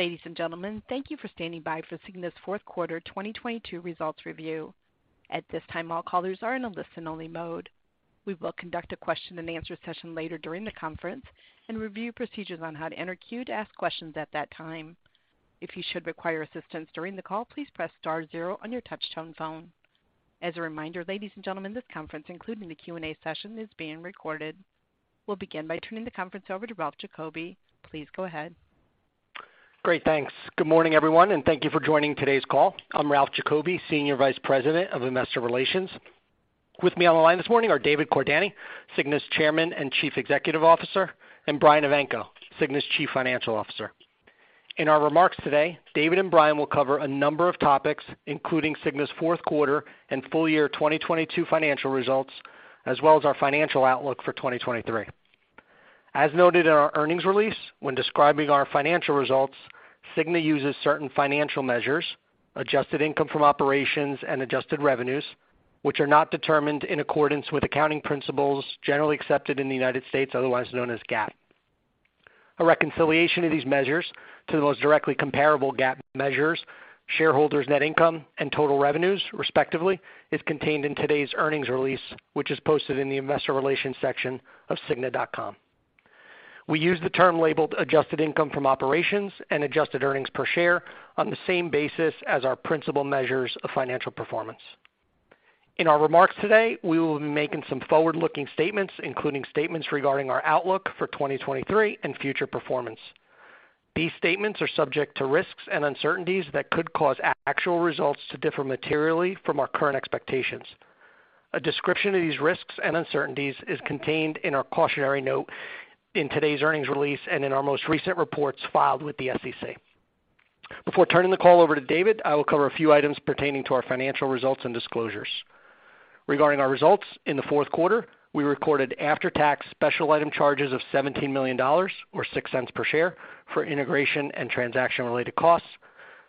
Ladies and gentlemen, thank you for standing by for Cigna's Q4 2022 results review. At this time, all callers are in a listen-only mode. We will conduct a question and answer session later during the conference and review procedures on how to enter queue to ask questions at that time. If you should require assistance during the call, please press star zero on your touchtone phone. As a reminder, ladies and gentlemen, this conference, including the Q&A session, is being recorded. We'll begin by turning the conference over to Ralph Giacobbe. Please go ahead. Great. Thanks. Good morning, everyone, and thank you for joining today's call. I'm Ralph Giacobbe, Senior Vice President of Investor Relations. With me on the line this morning are David Cordani, Cigna's Chairman and Chief Executive Officer, and Brian Evanko, Cigna's Chief Financial Officer. In our remarks today, David and Brian will cover a number of topics, including Cigna's Q4 and full year 2022 financial results, as well as our financial outlook for 2023. As noted in our earnings release, when describing our financial results, Cigna uses certain financial measures, adjusted income from operations and adjusted revenues, which are not determined in accordance with accounting principles generally accepted in the United States, otherwise known as GAAP. A reconciliation of these measures to the most directly comparable GAAP measures, shareholders' net income and total revenues, respectively, is contained in today's earnings release, which is posted in the investor relations section of Cigna.com. We use the term labeled adjusted income from operations and adjusted earnings per share on the same basis as our principal measures of financial performance. In our remarks today, we will be making some forward-looking statements, including statements regarding our outlook for 2023 and future performance. These statements are subject to risks and uncertainties that could cause actual results to differ materially from our current expectations. A description of these risks and uncertainties is contained in our cautionary note in today's earnings release and in our most recent reports filed with the SEC. Before turning the call over to David, I will cover a few items pertaining to our financial results and disclosures. Regarding our results, in the Q4, we recorded after-tax special item charges of $17 million or $0.06 per share for integration and transaction-related costs.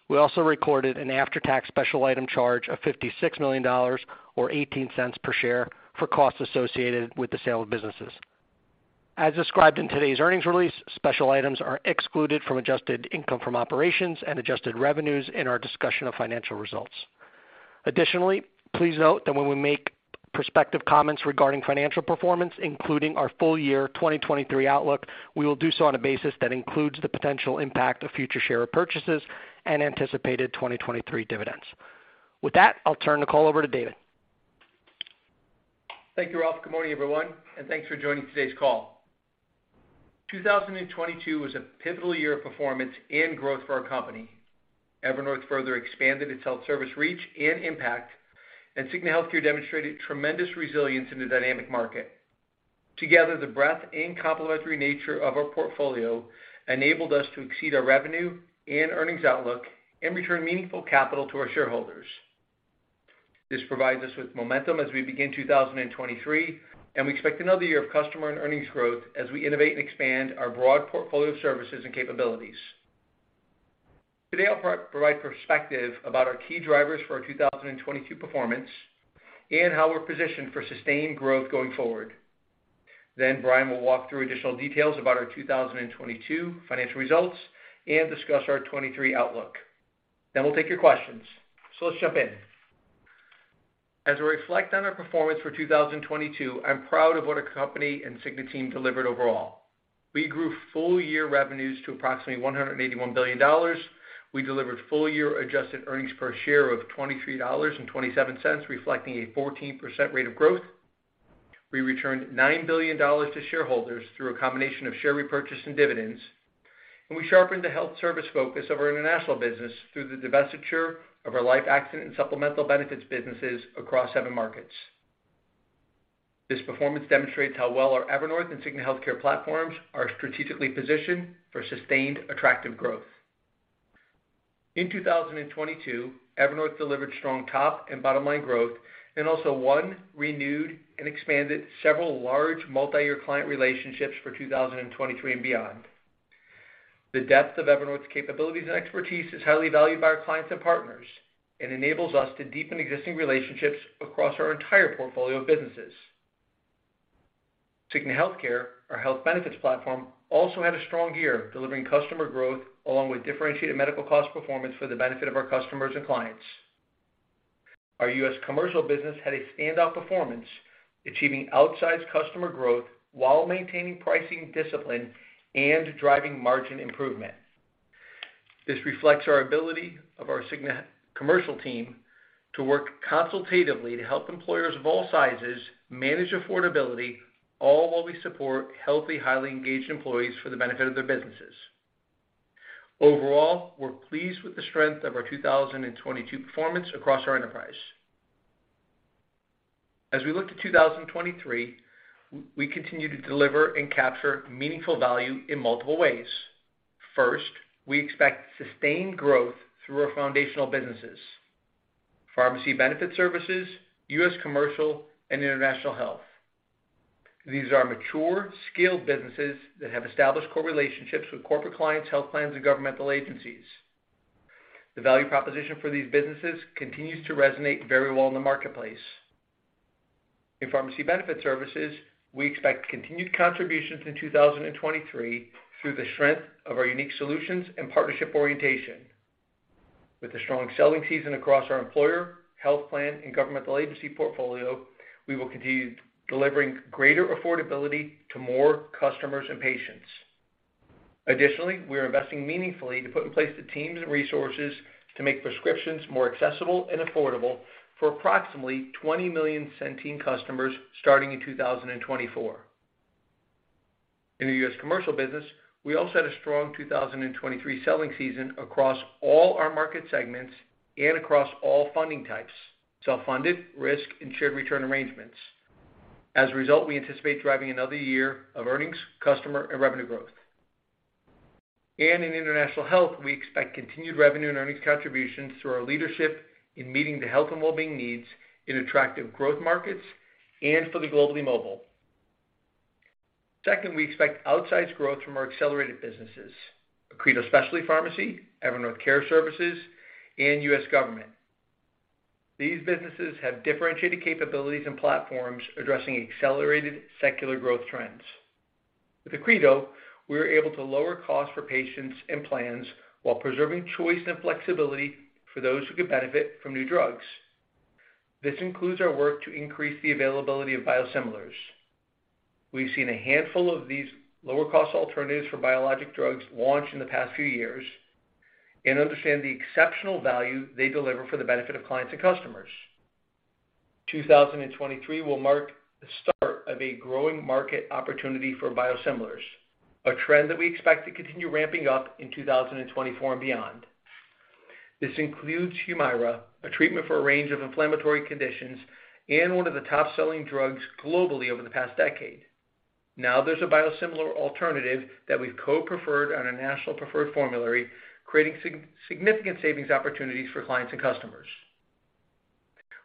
We also recorded an after-tax special item charge of $56 million or $0.18 per share for costs associated with the sale of businesses. As described in today's earnings release, special items are excluded from adjusted income from operations and adjusted revenues in our discussion of financial results. Additionally, please note that when we make prospective comments regarding financial performance, including our full year 2023 outlook, we will do so on a basis that includes the potential impact of future share purchases and anticipated 2023 dividends. With that, I'll turn the call over to David. Thank you, Ralph. Good morning, everyone, thanks for joining today's call. 2022 was a pivotal year of performance and growth for our company. Evernorth further expanded its health service reach and impact, Cigna Healthcare demonstrated tremendous resilience in the dynamic market. Together, the breadth and complementary nature of our portfolio enabled us to exceed our revenue and earnings outlook and return meaningful capital to our shareholders. This provides us with momentum as we begin 2023, we expect another year of customer and earnings growth as we innovate and expand our broad portfolio of services and capabilities. Today, I'll provide perspective about our key drivers for our 2022 performance and how we're positioned for sustained growth going forward. Brian will walk through additional details about our 2022 financial results and discuss our 2023 outlook. We'll take your questions. Let's jump in. As we reflect on our performance for 2022, I'm proud of what our company and Cigna team delivered overall. We grew full-year revenues to approximately $181 billion. We delivered full year adjusted earnings per share of $23.27, reflecting a 14% rate of growth. We returned $9 billion to shareholders through a combination of share repurchase and dividends. We sharpened the health service focus of our international business through the divestiture of our life accident and supplemental benefits businesses across seven markets. This performance demonstrates how well our Evernorth and Cigna Healthcare platforms are strategically positioned for sustained, attractive growth. In 2022, Evernorth delivered strong top and bottom line growth and also won, renewed, and expanded several large multi-year client relationships for 2023 and beyond. The depth of Evernorth's capabilities and expertise is highly valued by our clients and partners and enables us to deepen existing relationships across our entire portfolio of businesses. Cigna Healthcare, our health benefits platform, also had a strong year delivering customer growth along with differentiated medical cost performance for the benefit of our customers and clients. Our U.S. commercial business had a standout performance, achieving outsized customer growth while maintaining pricing discipline and driving margin improvement. This reflects our ability of our Cigna commercial team to work consultatively to help employers of all sizes manage affordability, all while we support healthy, highly engaged employees for the benefit of their businesses. Overall, we're pleased with the strength of our 2022 performance across our enterprise. As we look to 2023, we continue to deliver and capture meaningful value in multiple ways. First, we expect sustained growth through our foundational businesses, pharmacy benefit services, U.S. commercial, and international health. These are mature, skilled businesses that have established core relationships with corporate clients, health plans, and governmental agencies. The value proposition for these businesses continues to resonate very well in the marketplace. In pharmacy benefit services, we expect continued contributions in 2023 through the strength of our unique solutions and partnership orientation. With a strong selling season across our employer, health plan, and governmental agency portfolio, we will continue delivering greater affordability to more customers and patients. Additionally, we are investing meaningfully to put in place the teams and resources to make prescriptions more accessible and affordable for approximately 20 million Centene customers starting in 2024. In the U.S. commercial business, we all set a strong 2023 selling season across all our market segments and across all funding types, self-funded, risk, and shared return arrangements. As a result, we anticipate driving another year of earnings, customer, and revenue growth. In international health, we expect continued revenue and earnings contributions through our leadership in meeting the health and wellbeing needs in attractive growth markets and for the globally mobile. Second, we expect outsized growth from our accelerated businesses, Accredo Specialty Pharmacy, Evernorth Care Services, and U.S. Government. These businesses have differentiated capabilities and platforms addressing accelerated secular growth trends. With Accredo, we are able to lower costs for patients and plans while preserving choice and flexibility for those who could benefit from new drugs. This includes our work to increase the availability of biosimilars. We've seen a handful of these lower cost alternatives for biologic drugs launch in the past few years and understand the exceptional value they deliver for the benefit of clients and customers. 2023 will mark the start of a growing market opportunity for biosimilars, a trend that we expect to continue ramping up in 2024 and beyond. This includes HUMIRA, a treatment for a range of inflammatory conditions and one of the top-selling drugs globally over the past decade. Now there's a biosimilar alternative that we've co-preferred on a National Preferred Formulary, creating significant savings opportunities for clients and customers.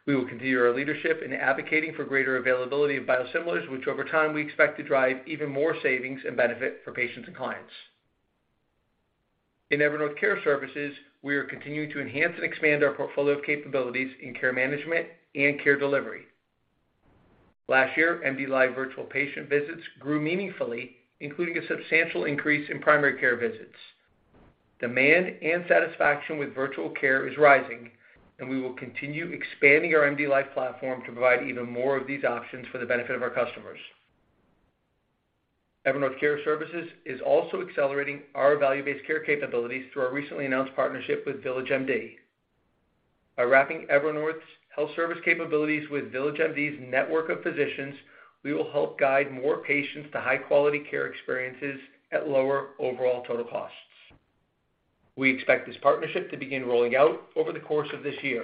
We will continue our leadership in advocating for greater availability of biosimilars, which over time, we expect to drive even more savings and benefit for patients and clients. In Evernorth Care Services, we are continuing to enhance and expand our portfolio of capabilities in care management and care delivery. Last year, MDLIVE virtual patient visits grew meaningfully, including a substantial increase in primary care visits. Demand and satisfaction with virtual care is rising, and we will continue expanding our MDLIVE platform to provide even more of these options for the benefit of our customers. Evernorth Care Services is also accelerating our value-based care capabilities through our recently announced partnership with VillageMD. By wrapping Evernorth's health service capabilities with VillageMD's network of physicians, we will help guide more patients to high-quality care experiences at lower overall total costs. We expect this partnership to begin rolling out over the course of this year.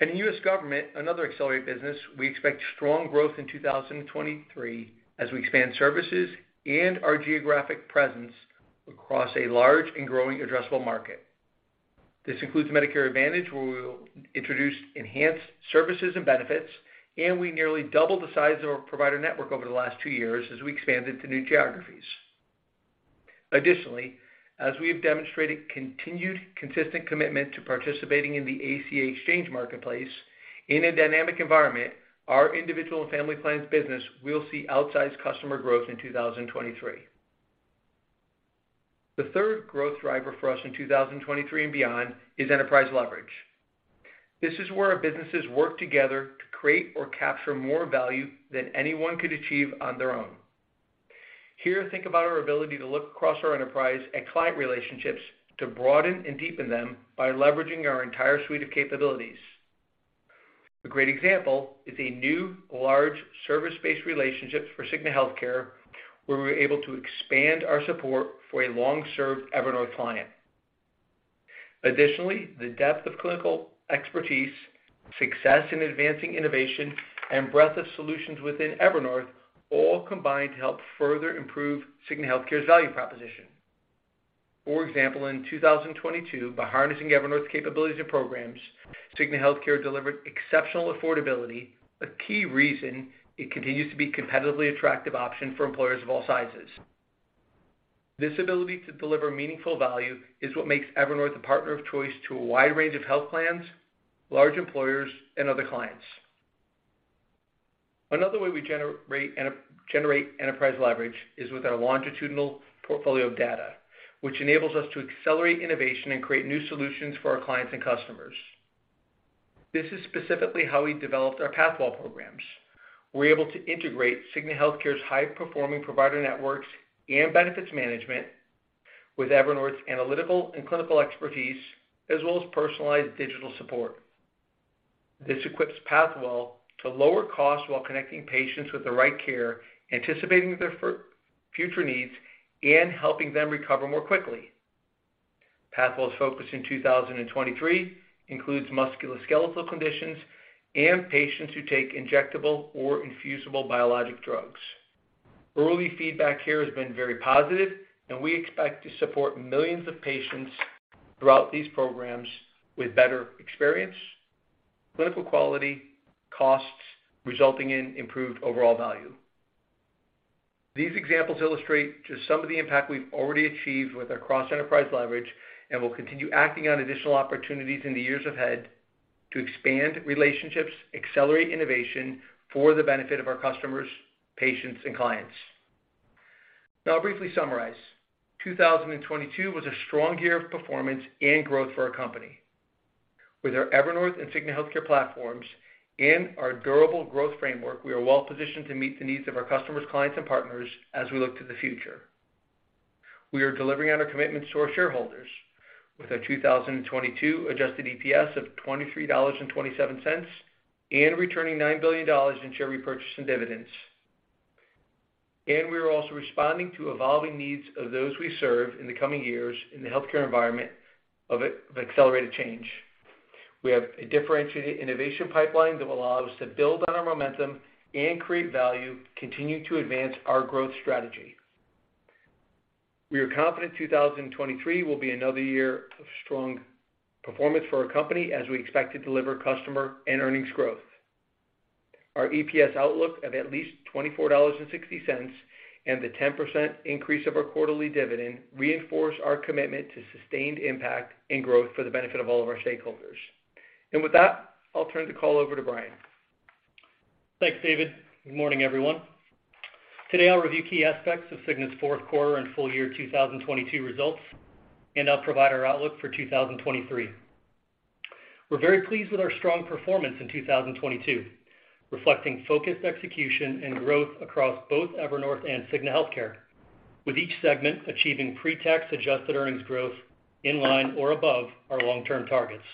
In the U.S. government, another accelerated business, we expect strong growth in 2023 as we expand services and our geographic presence across a large and growing addressable market. This includes Medicare Advantage, where we will introduce enhanced services and benefits, and we nearly double the size of our provider network over the last two years as we expanded to new geographies. Additionally, as we have demonstrated continued consistent commitment to participating in the ACA exchange marketplace in a dynamic environment, our individual and family plans business will see outsized customer growth in 2023. The third growth driver for us in 2023 and beyond is enterprise leverage. This is where our businesses work together to create or capture more value than anyone could achieve on their own. Here, think about our ability to look across our enterprise at client relationships to broaden and deepen them by leveraging our entire suite of capabilities. A great example is a new, large service-based relationship for Cigna Healthcare, where we're able to expand our support for a long-served Evernorth client. Additionally, the depth of clinical expertise, success in advancing innovation, and breadth of solutions within Evernorth all combine to help further improve Cigna Healthcare's value proposition. For example, in 2022, by harnessing Evernorth's capabilities and programs, Cigna Healthcare delivered exceptional affordability, a key reason it continues to be competitively attractive option for employers of all sizes. This ability to deliver meaningful value is what makes Evernorth a partner of choice to a wide range of health plans, large employers, and other clients. Another way we generate enterprise leverage is with our longitudinal portfolio of data, which enables us to accelerate innovation and create new solutions for our clients and customers. This is specifically how we developed our Pathwell programs. We're able to integrate Cigna Healthcare's high-performing provider networks and benefits management with Evernorth's analytical and clinical expertise, as well as personalized digital support. This equips Pathwell to lower costs while connecting patients with the right care, anticipating their future needs, and helping them recover more quickly. Pathwell's focus in 2023 includes musculoskeletal conditions and patients who take injectable or infusible biologic drugs. Early feedback here has been very positive, and we expect to support millions of patients throughout these programs with better experience, clinical quality, costs resulting in improved overall value. These examples illustrate just some of the impact we've already achieved with our cross-enterprise leverage, and we'll continue acting on additional opportunities in the years ahead to expand relationships, accelerate innovation for the benefit of our customers, patients, and clients. Now I'll briefly summarize. 2022 was a strong year of performance and growth for our company. With our Evernorth and Cigna Healthcare platforms and our durable growth framework, we are well-positioned to meet the needs of our customers, clients and partners as we look to the future. We are delivering on our commitments to our shareholders with our 2022 Adjusted EPS of $23.27, and returning $9 billion in share repurchase and dividends. We are also responding to evolving needs of those we serve in the coming years in the healthcare environment of accelerated change. We have a differentiated innovation pipeline that will allow us to build on our momentum and create value, continue to advance our growth strategy. We are confident 2023 will be another year of strong performance for our company as we expect to deliver customer and earnings growth. Our EPS outlook of at least $24.60, and the 10% increase of our quarterly dividend reinforce our commitment to sustained impact and growth for the benefit of all of our stakeholders. With that, I'll turn the call over to Brian. Thanks, David. Good morning, everyone. Today, I'll review key aspects of Cigna's Q4 and full year 2022 results, and I'll provide our outlook for 2023. We're very pleased with our strong performance in 2022, reflecting focused execution and growth across both Evernorth and Cigna Healthcare, with each segment achieving pre-tax adjusted earnings growth in line or above our long-term targets.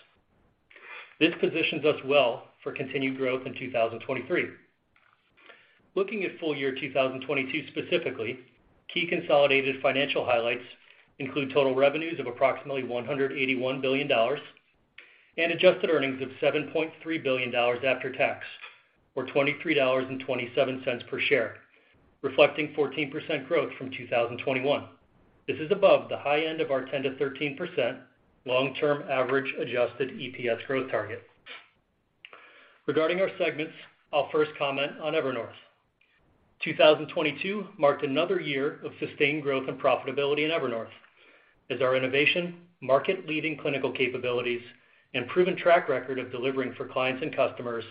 This positions us well for continued growth in 2023. Looking at full year 2022 specifically, key consolidated financial highlights include total revenues of approximately $181 billion and adjusted earnings of $7.3 billion after tax, or $23.27 per share, reflecting 14% growth from 2021. This is above the high end of our 10%-13% long-term average Adjusted EPS growth target. Regarding our segments, I'll first comment on Evernorth. 2022 marked another year of sustained growth and profitability in Evernorth as our innovation, market-leading clinical capabilities and proven track record of delivering for clients and customers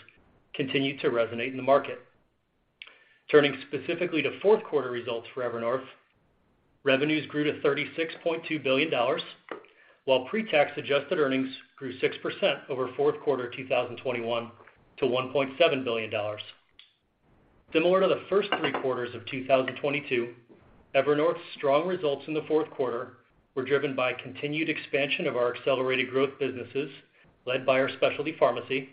continued to resonate in the market. Turning specifically to Q4 results for Evernorth, revenues grew to $36.2 billion, while pre-tax adjusted earnings grew 6% over Q4 2021 to $1.7 billion. Similar to the first three quarters of 2022, Evernorth's strong results in the Q4 were driven by continued expansion of our accelerated growth businesses, led by our specialty pharmacy,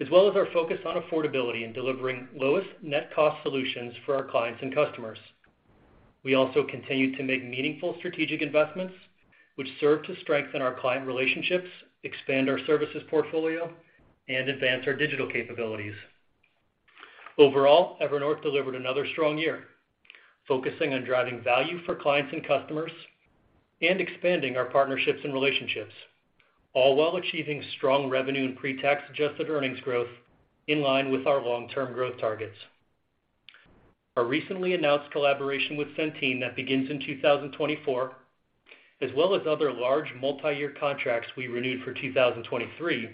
as well as our focus on affordability and delivering lowest net cost solutions for our clients and customers. We also continued to make meaningful strategic investments which serve to strengthen our client relationships, expand our services portfolio, and advance our digital capabilities. Overall, Evernorth delivered another strong year focusing on driving value for clients and customers and expanding our partnerships and relationships, all while achieving strong revenue and pre-tax adjusted earnings growth in line with our long-term growth targets. Our recently announced collaboration with Centene that begins in 2024, as well as other large multi-year contracts we renewed for 2023,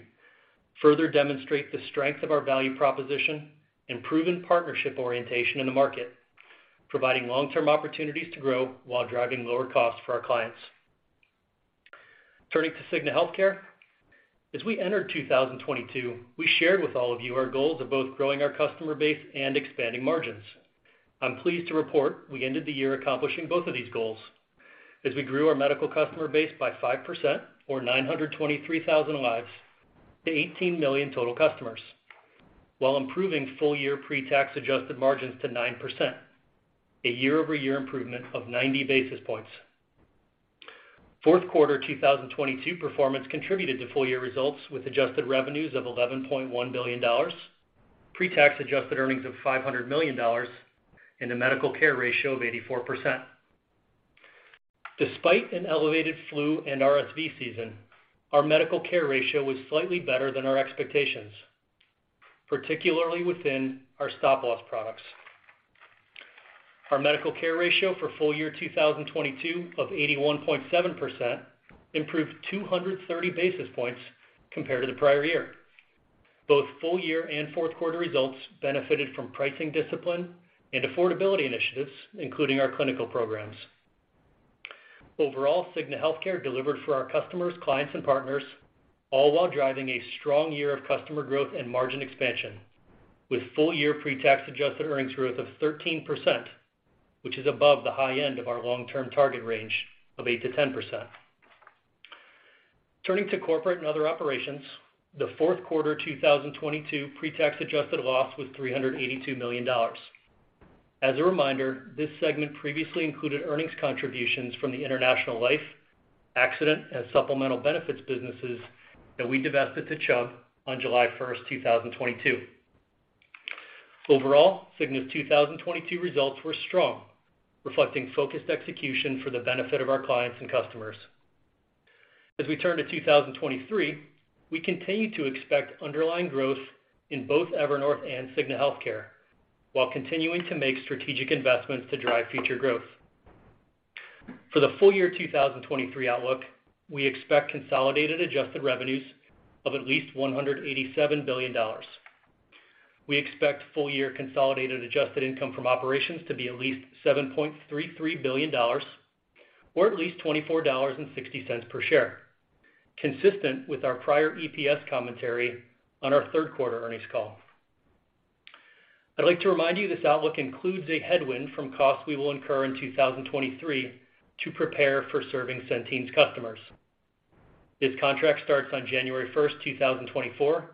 further demonstrate the strength of our value proposition and proven partnership orientation in the market, providing long-term opportunities to grow while driving lower costs for our clients. Turning to Cigna Healthcare, as we entered 2022, we shared with all of you our goals of both growing our customer base and expanding margins. I'm pleased to report we ended the year accomplishing both of these goals as we grew our medical customer base by 5% or 923,000 lives to 18 million total customers, while improving full year pre-tax adjusted margins to 9%, a year-over-year improvement of 90 basis points. Q4 2022 performance contributed to full year results with adjusted revenues of $11.1 billion, pre-tax adjusted earnings of $500 million, and a medical care ratio of 84%. Despite an elevated flu and RSV season, our medical care ratio was slightly better than our expectations, particularly within our stop-loss products. Our medical care ratio for full year 2022 of 81.7% improved 230 basis points compared to the prior year. Both full year and Q4 results benefited from pricing discipline and affordability initiatives, including our clinical programs. Overall, Cigna Healthcare delivered for our customers, clients and partners, all while driving a strong year of customer growth and margin expansion, with full year pre-tax adjusted earnings growth of 13%, which is above the high end of our long-term target range of 8%-10%. Turning to corporate and other operations, the Q4 2022 pre-tax adjusted loss was $382 million. As a reminder, this segment previously included earnings contributions from the international life, accident, and supplemental benefits businesses that we divested to Chubb on July 1, 2022. Overall, Cigna's 2022 results were strong, reflecting focused execution for the benefit of our clients and customers. We turn to 2023, we continue to expect underlying growth in both Evernorth and Cigna Healthcare while continuing to make strategic investments to drive future growth. The full year 2023 outlook, we expect consolidated adjusted revenues of at least $187 billion. We expect full year consolidated adjusted income from operations to be at least $7.33 billion, or at least $24.60 per share, consistent with our prior EPS commentary on our Q3 earnings call. I'd like to remind you this outlook includes a headwind from costs we will incur in 2023 to prepare for serving Centene's customers. This contract starts on January 1, 2024,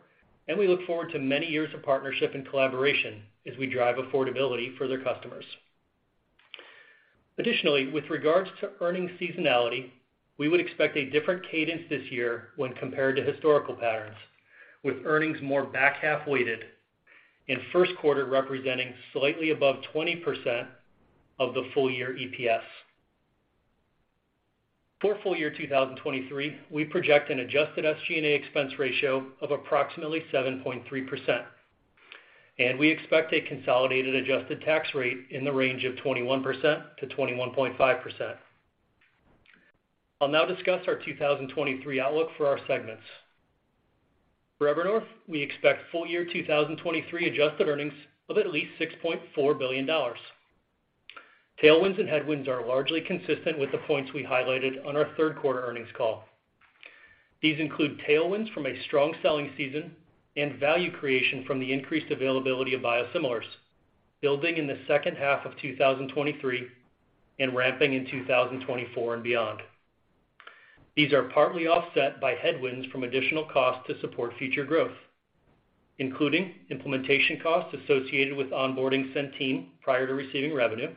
and we look forward to many years of partnership and collaboration as we drive affordability for their customers. Additionally, with regards to earnings seasonality, we would expect a different cadence this year when compared to historical patterns, with earnings more back-half weighted and Q1 representing slightly above 20% of the full year EPS. For full year 2023, we project an Adjusted SG&A expense ratio of approximately 7.3%, and we expect a consolidated adjusted tax rate in the range of 21%-21.5%. I'll now discuss our 2023 outlook for our segments. For Evernorth, we expect full year 2023 adjusted earnings of at least $6.4 billion. Tailwinds and headwinds are largely consistent with the points we highlighted on our Q3 earnings call. These include tailwinds from a strong selling season and value creation from the increased availability of biosimilars, building in the second half of 2023 and ramping in 2024 and beyond. These are partly offset by headwinds from additional costs to support future growth, including implementation costs associated with onboarding Centene prior to receiving revenue,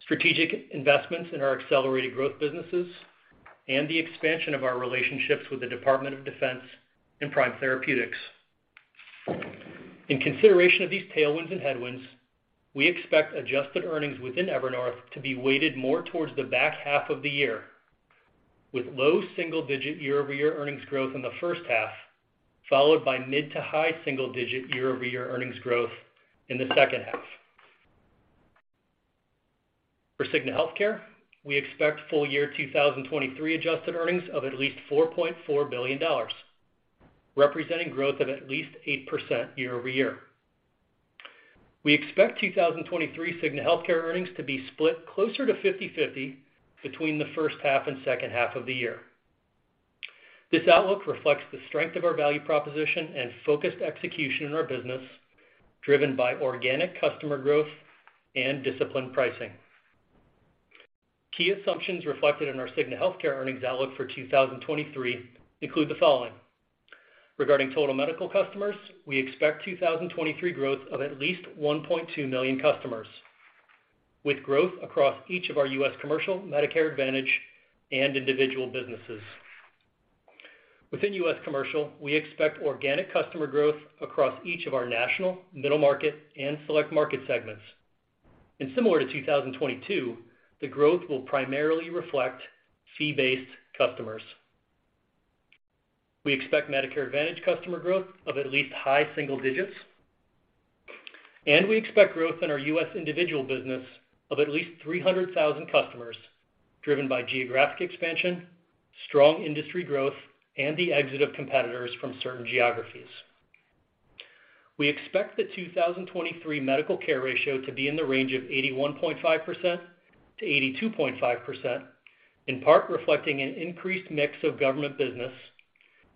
strategic investments in our accelerated growth businesses, and the expansion of our relationships with the Department of Defense and Prime Therapeutics. In consideration of these tailwinds and headwinds, we expect adjusted earnings within Evernorth to be weighted more towards the back half of the year, with low single-digit year-over-year earnings growth in the first half, followed by mid-to-high single-digit year-over-year earnings growth in the second half. For Cigna Healthcare, we expect full year 2023 adjusted earnings of at least $4.4 billion, representing growth of at least 8% year-over-year. We expect 2023 Cigna Healthcare earnings to be split closer to 50/50 between the first half and second half of the year. This outlook reflects the strength of our value proposition and focused execution in our business, driven by organic customer growth and disciplined pricing. Key assumptions reflected in our Cigna Healthcare earnings outlook for 2023 include the following. Regarding total medical customers, we expect 2023 growth of at least 1.2 million customers, with growth across each of our U.S. Commercial, Medicare Advantage, and individual businesses. Within U.S. Commercial, we expect organic customer growth across each of our national, middle market, and select market segments. Similar to 2022, the growth will primarily reflect fee-based customers. We expect Medicare Advantage customer growth of at least high single digits, and we expect growth in our U.S. individual business of at least 300,000 customers driven by geographic expansion, strong industry growth, and the exit of competitors from certain geographies. We expect the 2023 medical care ratio to be in the range of 81.5%-82.5%, in part reflecting an increased mix of government business,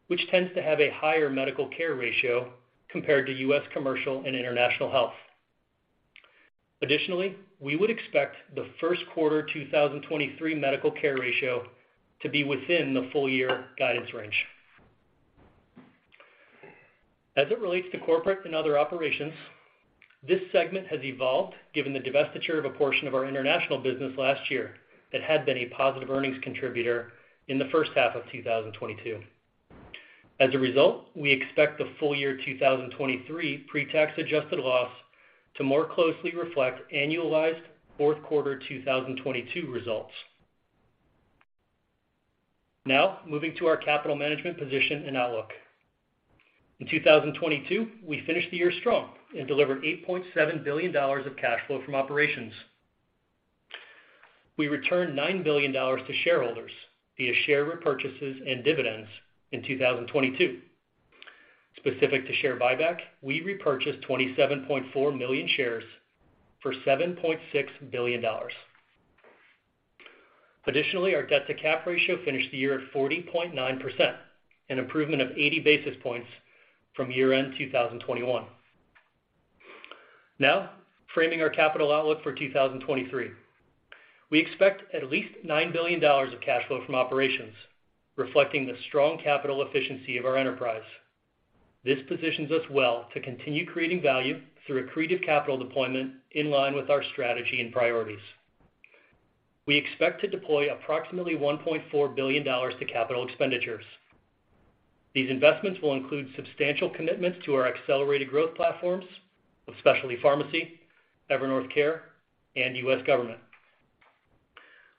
which tends to have a higher medical care ratio compared to U.S. Commercial and International Health. Additionally, we would expect the Q1 2023 medical care ratio to be within the full year guidance range. As it relates to corporate and other operations, this segment has evolved given the divestiture of a portion of our international business last year that had been a positive earnings contributor in the first half of 2022. We expect the full year 2023 pre-tax adjusted loss to more closely reflect annualized Q4 2022 results. Moving to our capital management position and outlook. In 2022, we finished the year strong and delivered $8.7 billion of cash flow from operations. We returned $9 billion to shareholders via share repurchases and dividends in 2022. Specific to share buyback, we repurchased 27.4 million shares for $7.6 billion. Our debt-to-cap ratio finished the year at 40.9%, an improvement of 80 basis points from year-end 2021. Framing our capital outlook for 2023. We expect at least $9 billion of cash flow from operations, reflecting the strong capital efficiency of our enterprise. This positions us well to continue creating value through accretive capital deployment in line with our strategy and priorities. We expect to deploy approximately $1.4 billion to capital expenditures. These investments will include substantial commitments to our accelerated growth platforms of specialty pharmacy, Evernorth Care, and U.S. Government.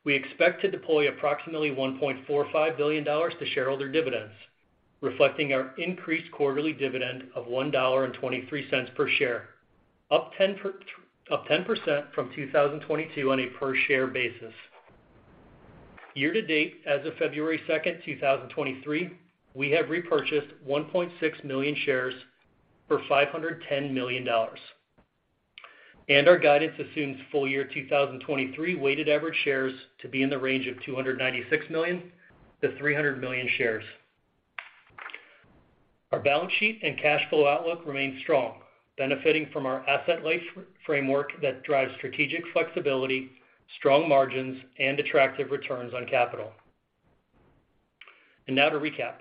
We expect to deploy approximately $1.45 billion to shareholder dividends, reflecting our increased quarterly dividend of $1.23 per share, up 10% from 2022 on a per share basis. Year-to-date, as of February 2, 2023, we have repurchased 1.6 million shares for $510 million. Our guidance assumes full year 2023 weighted average shares to be in the range of 296 million-300 million shares. Our balance sheet and cash flow outlook remain strong, benefiting from our asset-light framework that drives strategic flexibility, strong margins, and attractive returns on capital. Now to recap.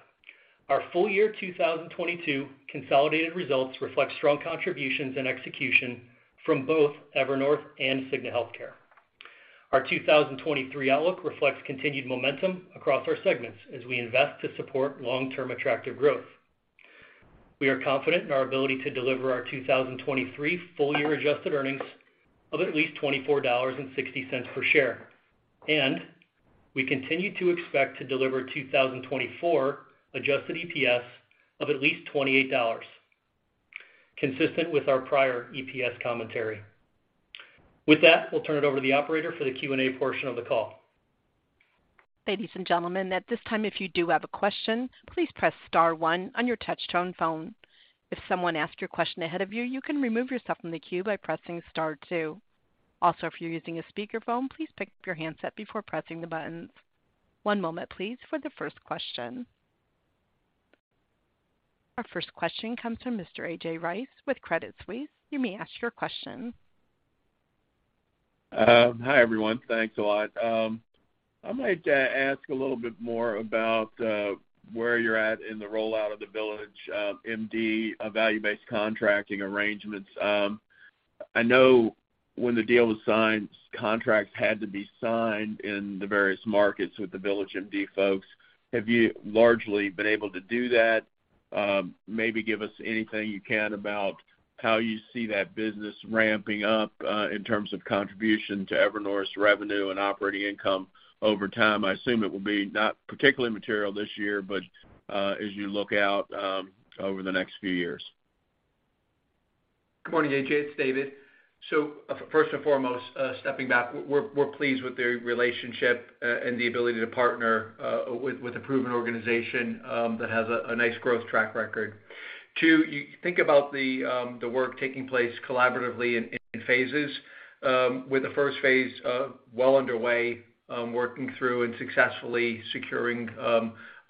Our full year 2022 consolidated results reflect strong contributions and execution from both Evernorth and Cigna Healthcare. Our 2023 outlook reflects continued momentum across our segments as we invest to support long-term attractive growth. We are confident in our ability to deliver our 2023 full year adjusted earnings of at least $24.60 per share. We continue to expect to deliver 2024 Adjusted EPS of at least $28, consistent with our prior EPS commentary. With that, we'll turn it over to the operator for the Q&A portion of the call. Ladies and gentlemen, at this time, if you do have a question, please press star one on your touchtone phone. If someone asks your question ahead of you can remove yourself from the queue by pressing star two. Also, if you're using a speakerphone, please pick up your handset before pressing the buttons. One moment please for the first question. Our first question comes from Mr. A.J. Rice with Credit Suisse. You may ask your question. Hi, everyone. Thanks a lot. I might ask a little bit more about where you're at in the rollout of the VillageMD value-based contracting arrangements. I know when the deal was signed, contracts had to be signed in the various markets with the VillageMD folks. Have you largely been able to do that? Maybe give us anything you can about how you see that business ramping up in terms of contribution to Evernorth's revenue and operating income over time. I assume it will be not particularly material this year, but as you look out over the next few years. Good morning, A.J. It's David. First and foremost, stepping back, we're pleased with the relationship and the ability to partner with a proven organization that has a nice growth track record. Two, you think about the work taking place collaboratively in phases with the first phase well underway, working through and successfully securing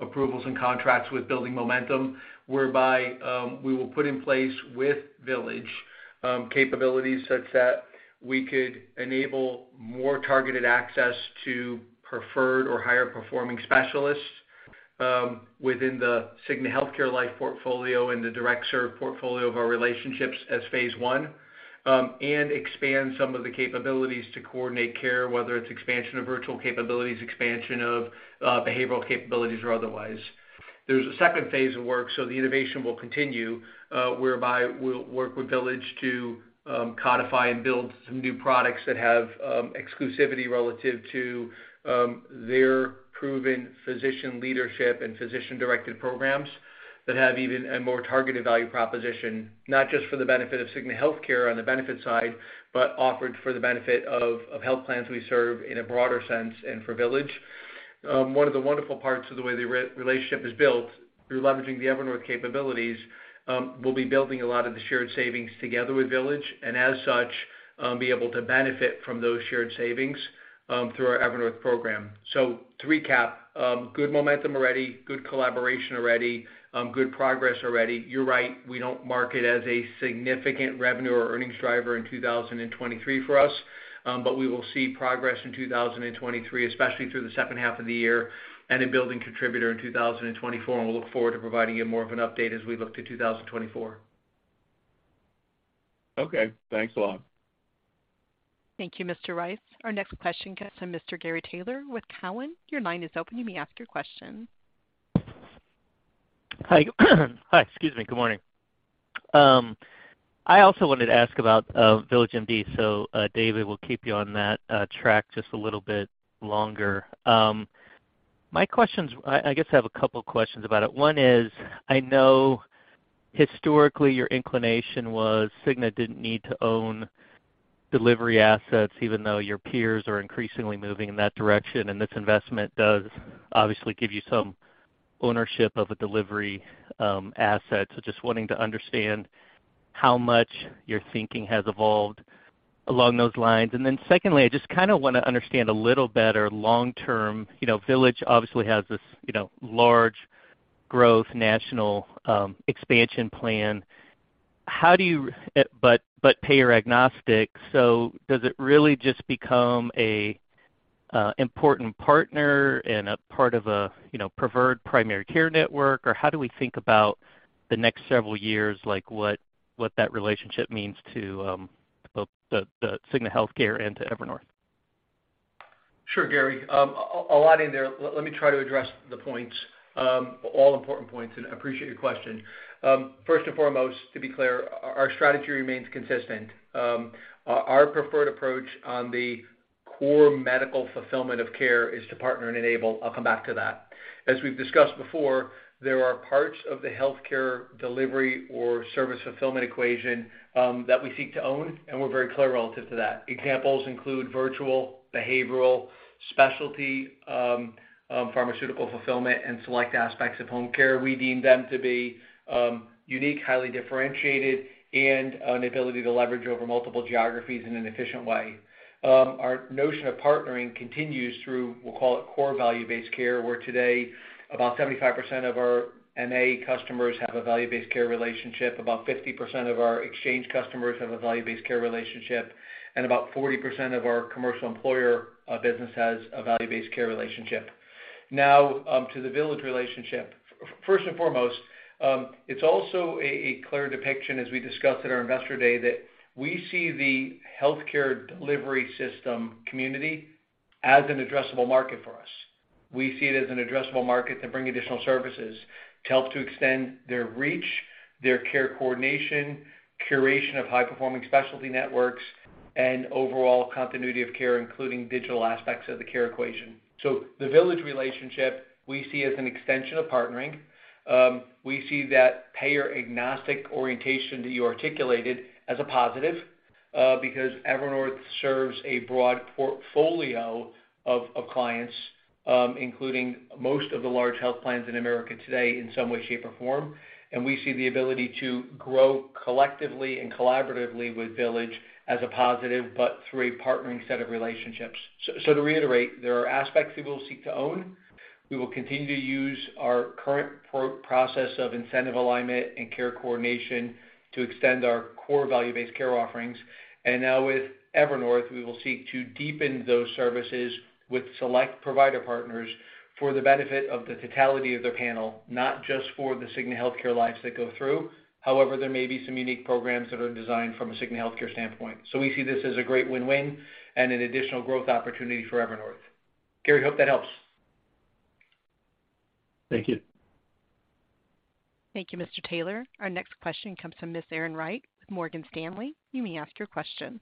approvals and contracts with building momentum, whereby we will put in place with Village capabilities such that we could enable more targeted access to preferred or higher performing specialists within the Cigna Healthcare life portfolio and the direct serve portfolio of our relationships as phase one, and expand some of the capabilities to coordinate care, whether it's expansion of virtual capabilities, expansion of behavioral capabilities or otherwise. There's a second phase of work, the innovation will continue, whereby we'll work with Village to codify and build some new products that have exclusivity relative to their proven physician leadership and physician-directed programs that have even a more targeted value proposition, not just for the benefit of Cigna Healthcare on the benefit side, but offered for the benefit of health plans we serve in a broader sense and for Village. One of the wonderful parts of the way the re-relationship is built through leveraging the Evernorth capabilities, we'll be building a lot of the shared savings together with Village, and as such, be able to benefit from those shared savings through our Evernorth program. To recap, good momentum already, good collaboration already, good progress already. You're right, we don't mark it as a significant revenue or earnings driver in 2023 for us, but we will see progress in 2023, especially through the second half of the year and a building contributor in 2024, and we'll look forward to providing you more of an update as we look to 2024. Okay. Thanks a lot. Thank you, Mr. Rice. Our next question comes from Mr. Gary Taylor with Cowen. Your line is open. You may ask your question. Hi. Excuse me. Good morning. I also wanted to ask about VillageMD, so David, we'll keep you on that track just a little bit longer. My questions, I guess I have a couple questions about it. One is, I know historically your inclination was Cigna didn't need to own delivery assets, even though your peers are increasingly moving in that direction, and this investment does obviously give you some ownership of a delivery asset. Just wanting to understand how much your thinking has evolved along those lines. Secondly, I just kind of wanna understand a little better long-term. You know, Village obviously has this, you know, large growth national expansion plan. Payer agnostic, does it really just become an important partner and a part of a, you know, preferred primary care network? How do we think about the next several years, like, what that relationship means to, both the Cigna Healthcare and to Evernorth? Sure, Gary. A lot in there. Let me try to address the points, all important points, and appreciate your question. First and foremost, to be clear, our strategy remains consistent. Our preferred approach on the core medical fulfillment of care is to partner and enable. I'll come back to that. As we've discussed before, there are parts of the healthcare delivery or service fulfillment equation that we seek to own, and we're very clear relative to that. Examples include virtual, behavioral, specialty, pharmaceutical fulfillment, and select aspects of home care. We deem them to be unique, highly differentiated, and an ability to leverage over multiple geographies in an efficient way. Our notion of partnering continues through, we'll call it core value-based care, where today about 75% of our MA customers have a value-based care relationship, about 50% of our exchange customers have a value-based care relationship, and about 40% of our commercial employer business has a value-based care relationship. To the Village relationship. First and foremost, it's also a clear depiction, as we discussed at our Investor Day, that we see the healthcare delivery system community as an addressable market for us. We see it as an addressable market to bring additional services to help to extend their reach, their care coordination, curation of high-performing specialty networks, and overall continuity of care, including digital aspects of the care equation. The Village relationship we see as an extension of partnering. We see that payer agnostic orientation that you articulated as a positive, because Evernorth serves a broad portfolio of clients, including most of the large health plans in America today in some way, shape, or form. We see the ability to grow collectively and collaboratively with Village as a positive, but through a partnering set of relationships. So to reiterate, there are aspects we will seek to own. We will continue to use our current pro-process of incentive alignment and care coordination to extend our core value-based care offerings. Now with Evernorth, we will seek to deepen those services with select provider partners for the benefit of the totality of their panel, not just for the Cigna Healthcare lives that go through. However, there may be some unique programs that are designed from a Cigna Healthcare standpoint. We see this as a great win-win and an additional growth opportunity for Evernorth. Gary, hope that helps. Thank you. Thank you, Mr. Taylor. Our next question comes from Miss Erin Wright with Morgan Stanley. You may ask your question.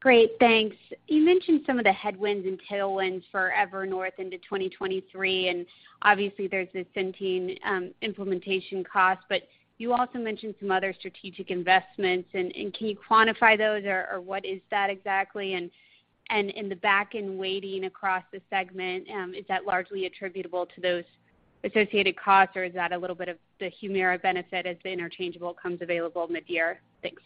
Great. Thanks. You mentioned some of the headwinds and tailwinds for Evernorth into 2023, and obviously there's the Centene implementation cost, but you also mentioned some other strategic investments. Can you quantify those, or what is that exactly? In the back-end weighting across the segment, is that largely attributable to those associated costs, or is that a little bit of the HUMIRA benefit as the interchangeable comes available midyear? Thanks.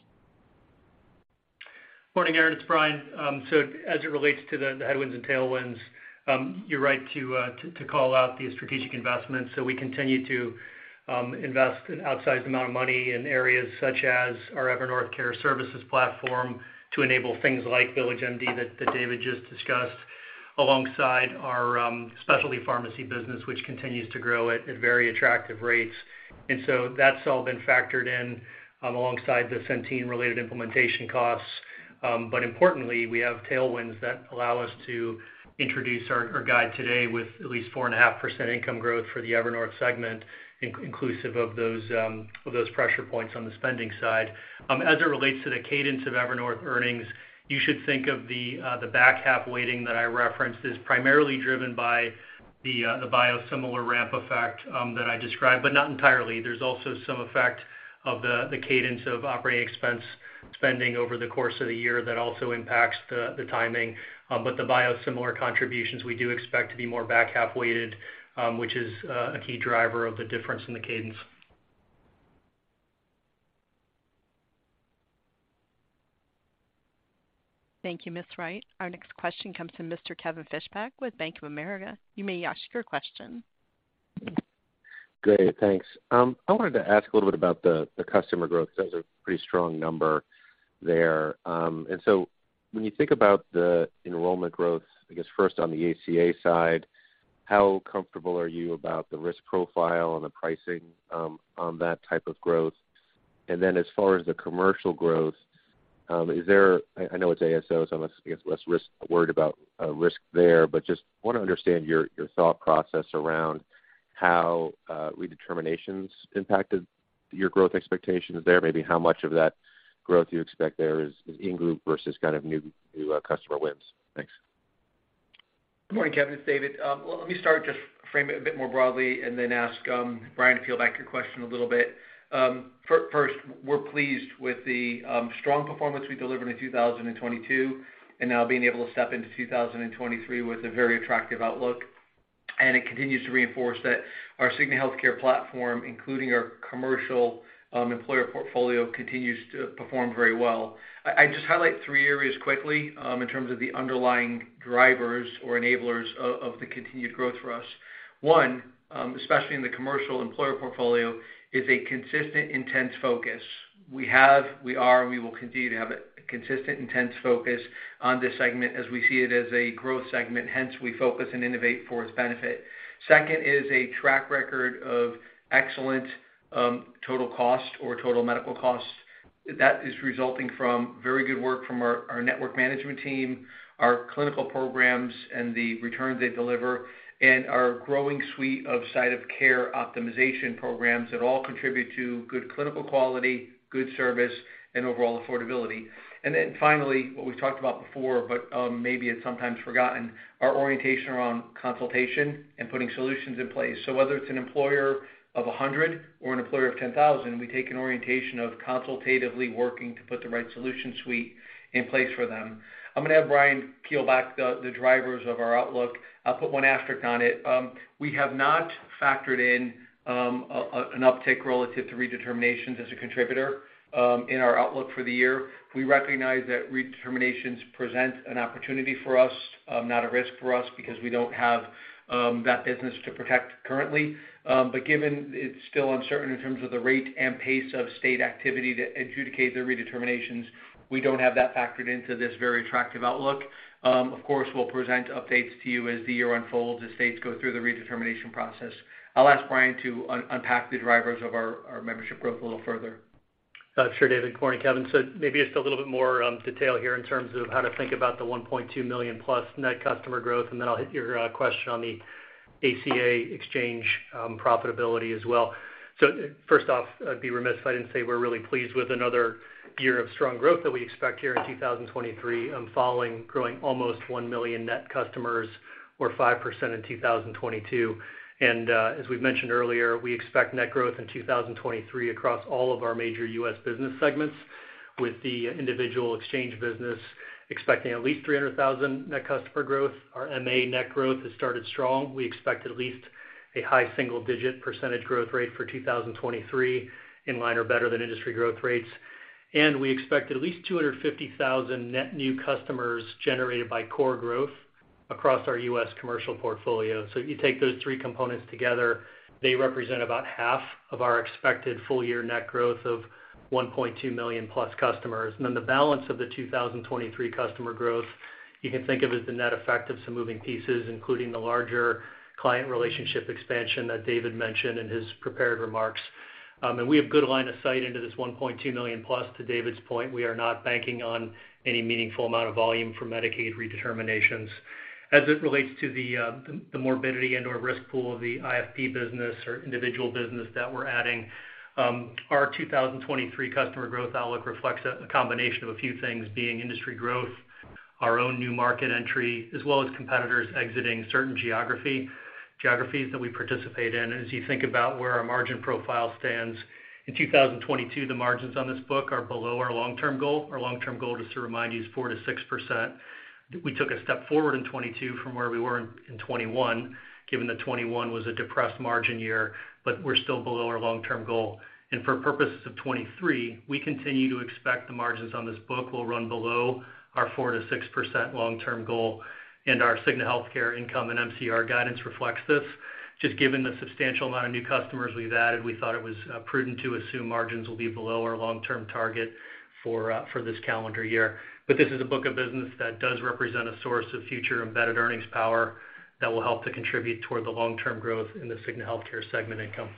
Morning, Erin. It's Brian. As it relates to the headwinds and tailwinds, you're right to call out the strategic investments. We continue to invest an outsized amount of money in areas such as our Evernorth Care Services platform to enable things like VillageMD that David just discussed, alongside our specialty pharmacy business, which continues to grow at very attractive rates. That's all been factored in, alongside the Centene-related implementation costs. Importantly, we have tailwinds that allow us to introduce our guide today with at least 4.5% income growth for the Evernorth segment, inclusive of those pressure points on the spending side. As it relates to the cadence of Evernorth earnings, you should think of the back half weighting that I referenced is primarily driven by the biosimilar ramp effect that I described, but not entirely. There's also some effect of the cadence of operating expense spending over the course of the year that also impacts the timing. The biosimilar contributions, we do expect to be more back half weighted, which is a key driver of the difference in the cadence. Thank you, Ms. Wright. Our next question comes from Mr. Kevin Fischbeck with Bank of America. You may ask your question. Great. Thanks. I wanted to ask a little bit about the customer growth 'cause that was a pretty strong number there. When you think about the enrollment growth, I guess first on the ACA side, how comfortable are you about the risk profile and the pricing, on that type of growth? As far as the commercial growth, is there, I know it's ASO, so I'm less, I guess, less risk- worried about, risk there, but just wanna understand your thought process around how, redeterminations impacted your growth expectations there. Maybe how much of that growth you expect there is in group versus kind of new customer wins. Thanks. Good morning, Kevin. It's David. Well, let me start just frame it a bit more broadly and then ask Brian to peel back your question a little bit. First, we're pleased with the strong performance we delivered in 2022, and now being able to step into 2023 with a very attractive outlook. It continues to reinforce that our Cigna Healthcare platform, including our commercial employer portfolio, continues to perform very well. I just highlight three areas quickly in terms of the underlying drivers or enablers of the continued growth for us. One, especially in the commercial employer portfolio, is a consistent intense focus. We have, we are, and we will continue to have a consistent intense focus on this segment as we see it as a growth segment, hence, we focus and innovate for its benefit. Second is a track record of excellent total cost or total medical costs that is resulting from very good work from our network management team, our clinical programs, and the return they deliver, and our growing suite of site of care optimization programs that all contribute to good clinical quality, good service, and overall affordability. Finally, what we've talked about before, but maybe it's sometimes forgotten, our orientation around consultation and putting solutions in place. Whether it's an employer of 100 or an employer of 10,000, we take an orientation of consultatively working to put the right solution suite in place for them. I'm going to have Brian peel back the drivers of our outlook. I'll put one asterisk on it. We have not factored in an uptick relative to redeterminations as a contributor in our outlook for the year. We recognize that redeterminations present an opportunity for us, not a risk for us because we don't have that business to protect currently. Given it's still uncertain in terms of the rate and pace of state activity to adjudicate the redeterminations, we don't have that factored into this very attractive outlook. We'll present updates to you as the year unfolds, as states go through the redetermination process. I'll ask Brian to unpack the drivers of our membership growth a little further. Sure, David. Morning, Kevin. Maybe just a little bit more detail here in terms of how to think about the 1.2 million+ net customer growth, and then I'll hit your question on the ACA exchange profitability as well. First off, I'd be remiss if I didn't say we're really pleased with another year of strong growth that we expect here in 2023, following growing almost one million net customers or 5% in 2022. As we've mentioned earlier, we expect net growth in 2023 across all of our major U.S. business segments, with the individual exchange business expecting at least 300,000 net customer growth. Our MA net growth has started strong. We expect at least a high single-digit % growth rate for 2023 in line or better than industry growth rates. We expect at least 250,000 net new customers generated by core growth across our U.S. commercial portfolio. If you take those three components together, they represent about half of our expected full-year net growth of 1.2 million+ customers. The balance of the 2023 customer growth, you can think of as the net effect of some moving pieces, including the larger client relationship expansion that David mentioned in his prepared remarks. We have good line of sight into this 1.2 million+, to David's point. We are not banking on any meaningful amount of volume for Medicaid redeterminations. As it relates to the morbidity and/or risk pool of the IFP business or individual business that we're adding, our 2023 customer growth outlook reflects a combination of a few things, being industry growth, our own new market entry, as well as competitors exiting certain geographies that we participate in. As you think about where our margin profile stands, in 2022, the margins on this book are below our long-term goal. Our long-term goal, just to remind you, is 4%-6%. We took a step forward in 22 from where we were in 21, given that 21 was a depressed margin year, but we're still below our long-term goal. For purposes of 2023, we continue to expect the margins on this book will run below our 4%-6% long-term goal, and our Cigna Healthcare income and MCR guidance reflects this. Just given the substantial amount of new customers we've added, we thought it was prudent to assume margins will be below our long-term target for this calendar year. This is a book of business that does represent a source of future embedded earnings power that will help to contribute toward the long-term growth in the Cigna Healthcare segment income.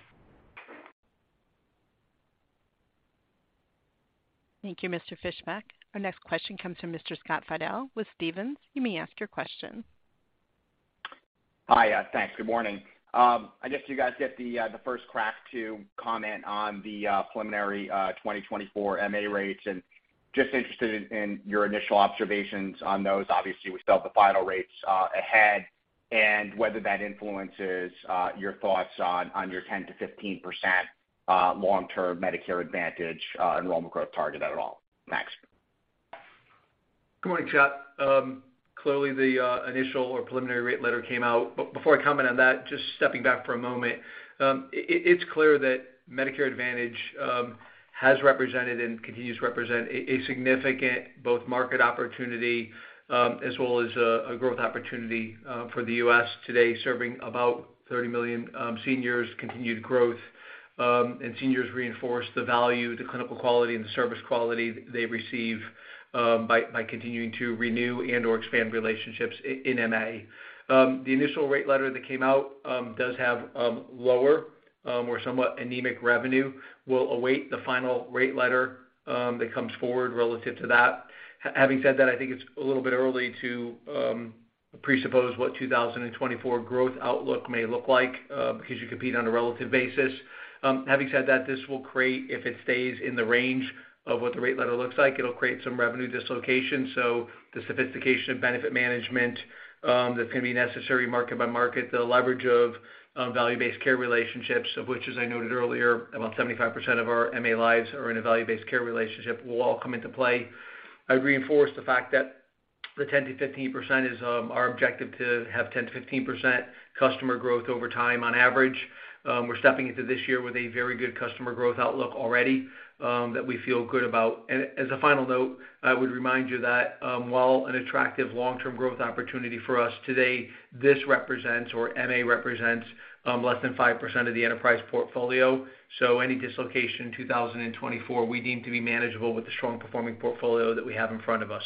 Thank you, Mr. Fischbeck. Our next question comes from Mr. Scott Fidel with Stephens. You may ask your question. Hi. Thanks. Good morning. I guess you guys get the first crack to comment on the preliminary 2024 MA rates. Just interested in your initial observations on those. Obviously, we still have the final rates ahead. Whether that influences your thoughts on your 10%-15% long-term Medicare Advantage enrollment growth target at all. Thanks. Good morning, Scott. Clearly the initial or preliminary rate letter came out. Before I comment on that, just stepping back for a moment, it's clear that Medicare Advantage has represented and continues to represent a significant both market opportunity, as well as a growth opportunity for the U.S. today, serving about 30 million seniors, continued growth, and seniors reinforce the value, the clinical quality, and the service quality they receive by continuing to renew and/or expand relationships in MA. The initial rate letter that came out does have lower or somewhat anemic revenue. We'll await the final rate letter that comes forward relative to that. Having said that, I think it's a little bit early to presuppose what 2024 growth outlook may look like because you compete on a relative basis. Having said that, this will create, if it stays in the range of what the rate letter looks like, it'll create some revenue dislocation. The sophistication of benefit management that's going to be necessary market by market, the leverage of value-based care relationships, of which, as I noted earlier, about 75% of our MA lives are in a value-based care relationship, will all come into play. I would reinforce the fact that the 10%-15% is our objective to have 10%-15% customer growth over time on average. We're stepping into this year with a very good customer growth outlook already that we feel good about. As a final note, I would remind you that, while an attractive long-term growth opportunity for us today, MA represents less than 5% of the enterprise portfolio. Any dislocation in 2024, we deem to be manageable with the strong performing portfolio that we have in front of us.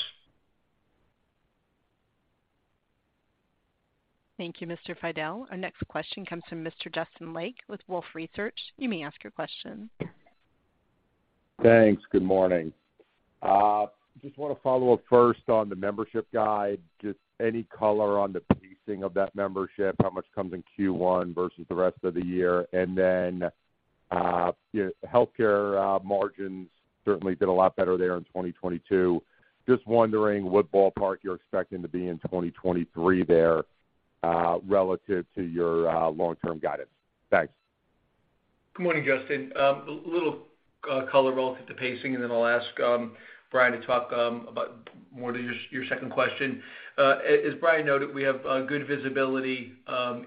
Thank you, Mr. Fidel. Our next question comes from Mr. Justin Lake with Wolfe Research. You may ask your question. Thanks. Good morning. Just wanna follow up first on the membership guide. Just any color on the pacing of that membership, how much comes in Q1 versus the rest of the year? Your healthcare margins certainly did a lot better there in 2022. Just wondering what ballpark you're expecting to be in 2023 there, relative to your long-term guidance. Thanks. Good morning, Justin. A little color relative to pacing, then I'll ask Brian to talk about more to just your second question. As Brian noted, we have good visibility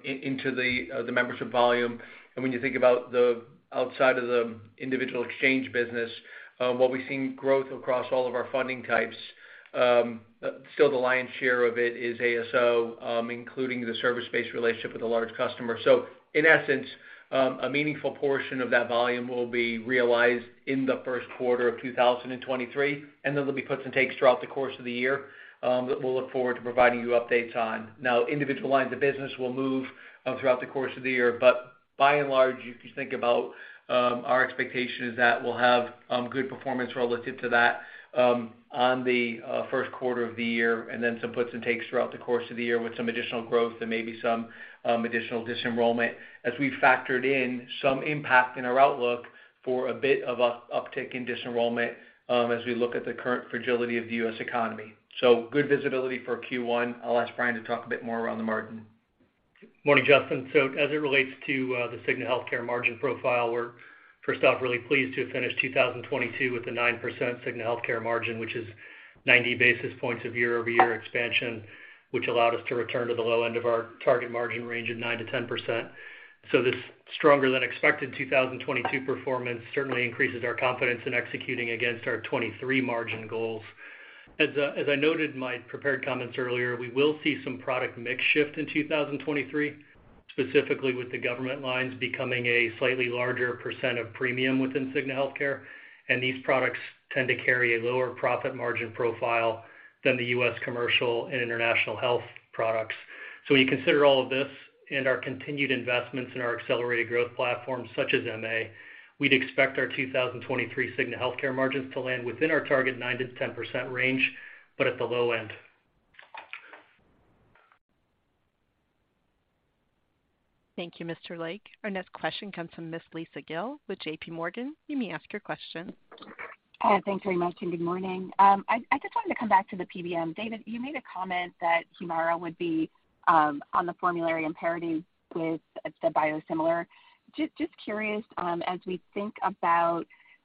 into the membership volume. When you think about the outside of the individual exchange business, while we've seen growth across all of our funding types, still the lion's share of it is ASO, including the service-based relationship with a large customer. In essence, a meaningful portion of that volume will be realized in the Q1 of 2023, then there'll be puts and takes throughout the course of the year that we'll look forward to providing you updates on. Now individual lines of business will move throughout the course of the year, but by and large, if you think about our expectation is that we'll have good performance relative to that on the Q1 of the year, and then some puts and takes throughout the course of the year with some additional growth and maybe some additional disenrollment as we factored in some impact in our outlook for a bit of a uptick in disenrollment as we look at the current fragility of the U.S. economy. Good visibility for Q1. I'll ask Brian to talk a bit more around the margin. Morning, Justin. As it relates to the Cigna Healthcare margin profile, we're first off really pleased to have finished 2022 with a 9% Cigna Healthcare margin, which is 90 basis points of year-over-year expansion, which allowed us to return to the low end of our target margin range of 9%-10%. This stronger than expected 2022 performance certainly increases our confidence in executing against our 2023 margin goals. As I noted in my prepared comments earlier, we will see some product mix shift in 2023, specifically with the government lines becoming a slightly larger % of premium within Cigna Healthcare, and these products tend to carry a lower profit margin profile than the U.S. commercial and international health products. When you consider all of this and our continued investments in our accelerated growth platforms such as MA, we'd expect our 2023 Cigna Healthcare margins to land within our target 9%-10% range, but at the low end. Thank you, Mr. Lake. Our next question comes from Ms. Lisa Gill with JP Morgan. You may ask your question. Thanks very much, and good morning. I just wanted to come back to the PBM. David, you made a comment that HUMIRA would be on the formulary and parity with the biosimilar. Just curious, as we think about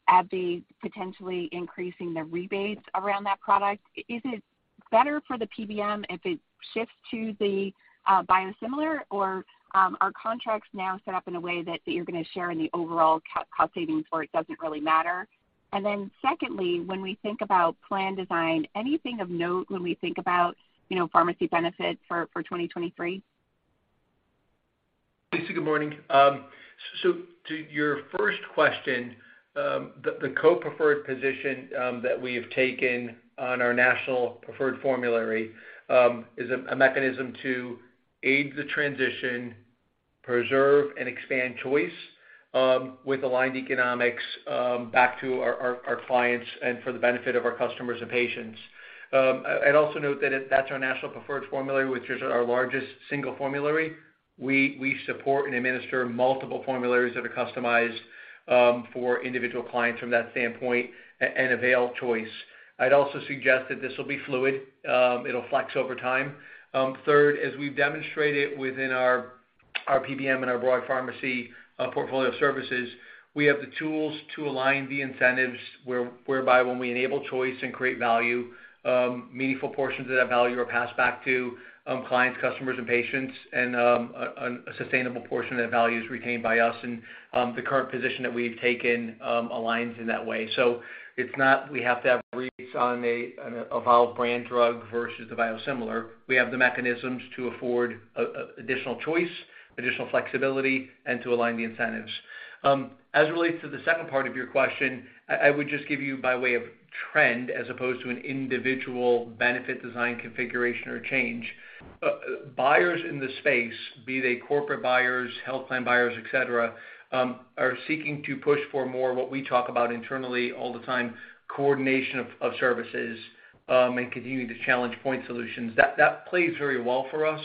AbbVie potentially increasing the rebates around that product, is it better for the PBM if it shifts to the biosimilar, or are contracts now set up in a way that you're gonna share in the overall co-cost savings, or it doesn't really matter? Secondly, when we think about plan design, anything of note when we think about, you know, pharmacy benefits for 2023? Lisa Gill, good morning. To your first question, the co-preferred position that we have taken on our National Preferred Formulary is a mechanism to aid the transition, preserve and expand choice with aligned economics back to our clients and for the benefit of our customers and patients. I'd also note that that's our National Preferred Formulary, which is our largest single formulary. We support and administer multiple formularies that are customized for individual clients from that standpoint and avail choice. I'd also suggest that this will be fluid. It'll flex over time. Third, as we've demonstrated within our PBM and our broad pharmacy portfolio of services, we have the tools to align the incentives whereby when we enable choice and create value, meaningful portions of that value are passed back to clients, customers, and patients, and a sustainable portion of that value is retained by us. The current position that we've taken aligns in that way. It's not we have to have rates on a evolved brand drug versus the biosimilar. We have the mechanisms to afford a additional choice, additional flexibility, and to align the incentives. As it relates to the second part of your question, I would just give you by way of trend as opposed to an individual benefit design configuration or change. Buyers in the space, be they corporate buyers, health plan buyers, et cetera, are seeking to push for more what we talk about internally all the time, coordination of services, and continuing to challenge point solutions. That plays very well for us.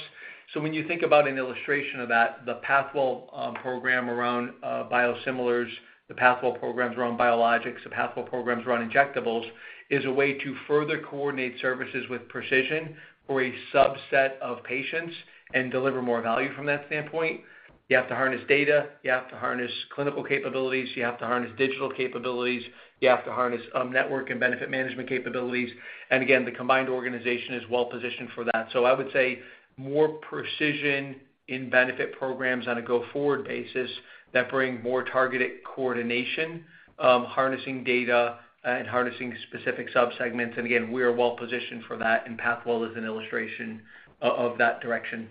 When you think about an illustration of that, the Pathwell program around biosimilars, the Pathwell programs around biologics, the Pathwell programs around injectables, is a way to further coordinate services with precision for a subset of patients and deliver more value from that standpoint. You have to harness data, you have to harness clinical capabilities, you have to harness digital capabilities, you have to harness network and benefit management capabilities. Again, the combined organization is well positioned for that. I would say more precision in benefit programs on a go-forward basis that bring more targeted coordination, harnessing data and harnessing specific subsegments. Again, we are well positioned for that, and Pathwell is an illustration of that direction.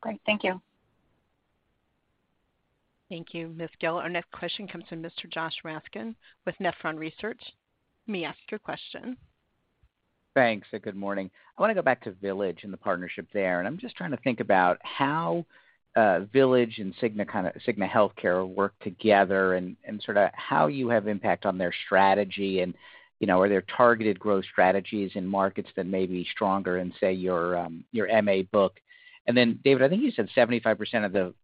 Great. Thank you. Thank you, Ms. Gill. Our next question comes from Mr. Joshua Raskin with Nephron Research. You may ask your question. Thanks, good morning. I want to go back to VillageMD and the partnership there, I'm just trying to think about how VillageMD and Cigna Healthcare work together and sort of how you have impact on their strategy and, you know, are there targeted growth strategies in markets that may be stronger in, say, your MA book? David, I think you said 75% of the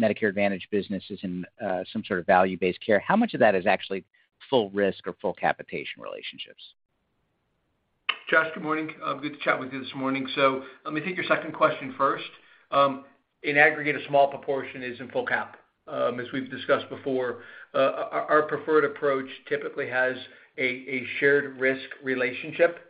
Medicare Advantage business is in some sort of value-based care. How much of that is actually full risk or full capitation relationships? Josh, good morning. Good to chat with you this morning. Let me take your second question first. In aggregate, a small proportion is in full cap. As we've discussed before, our preferred approach typically has a shared risk relationship.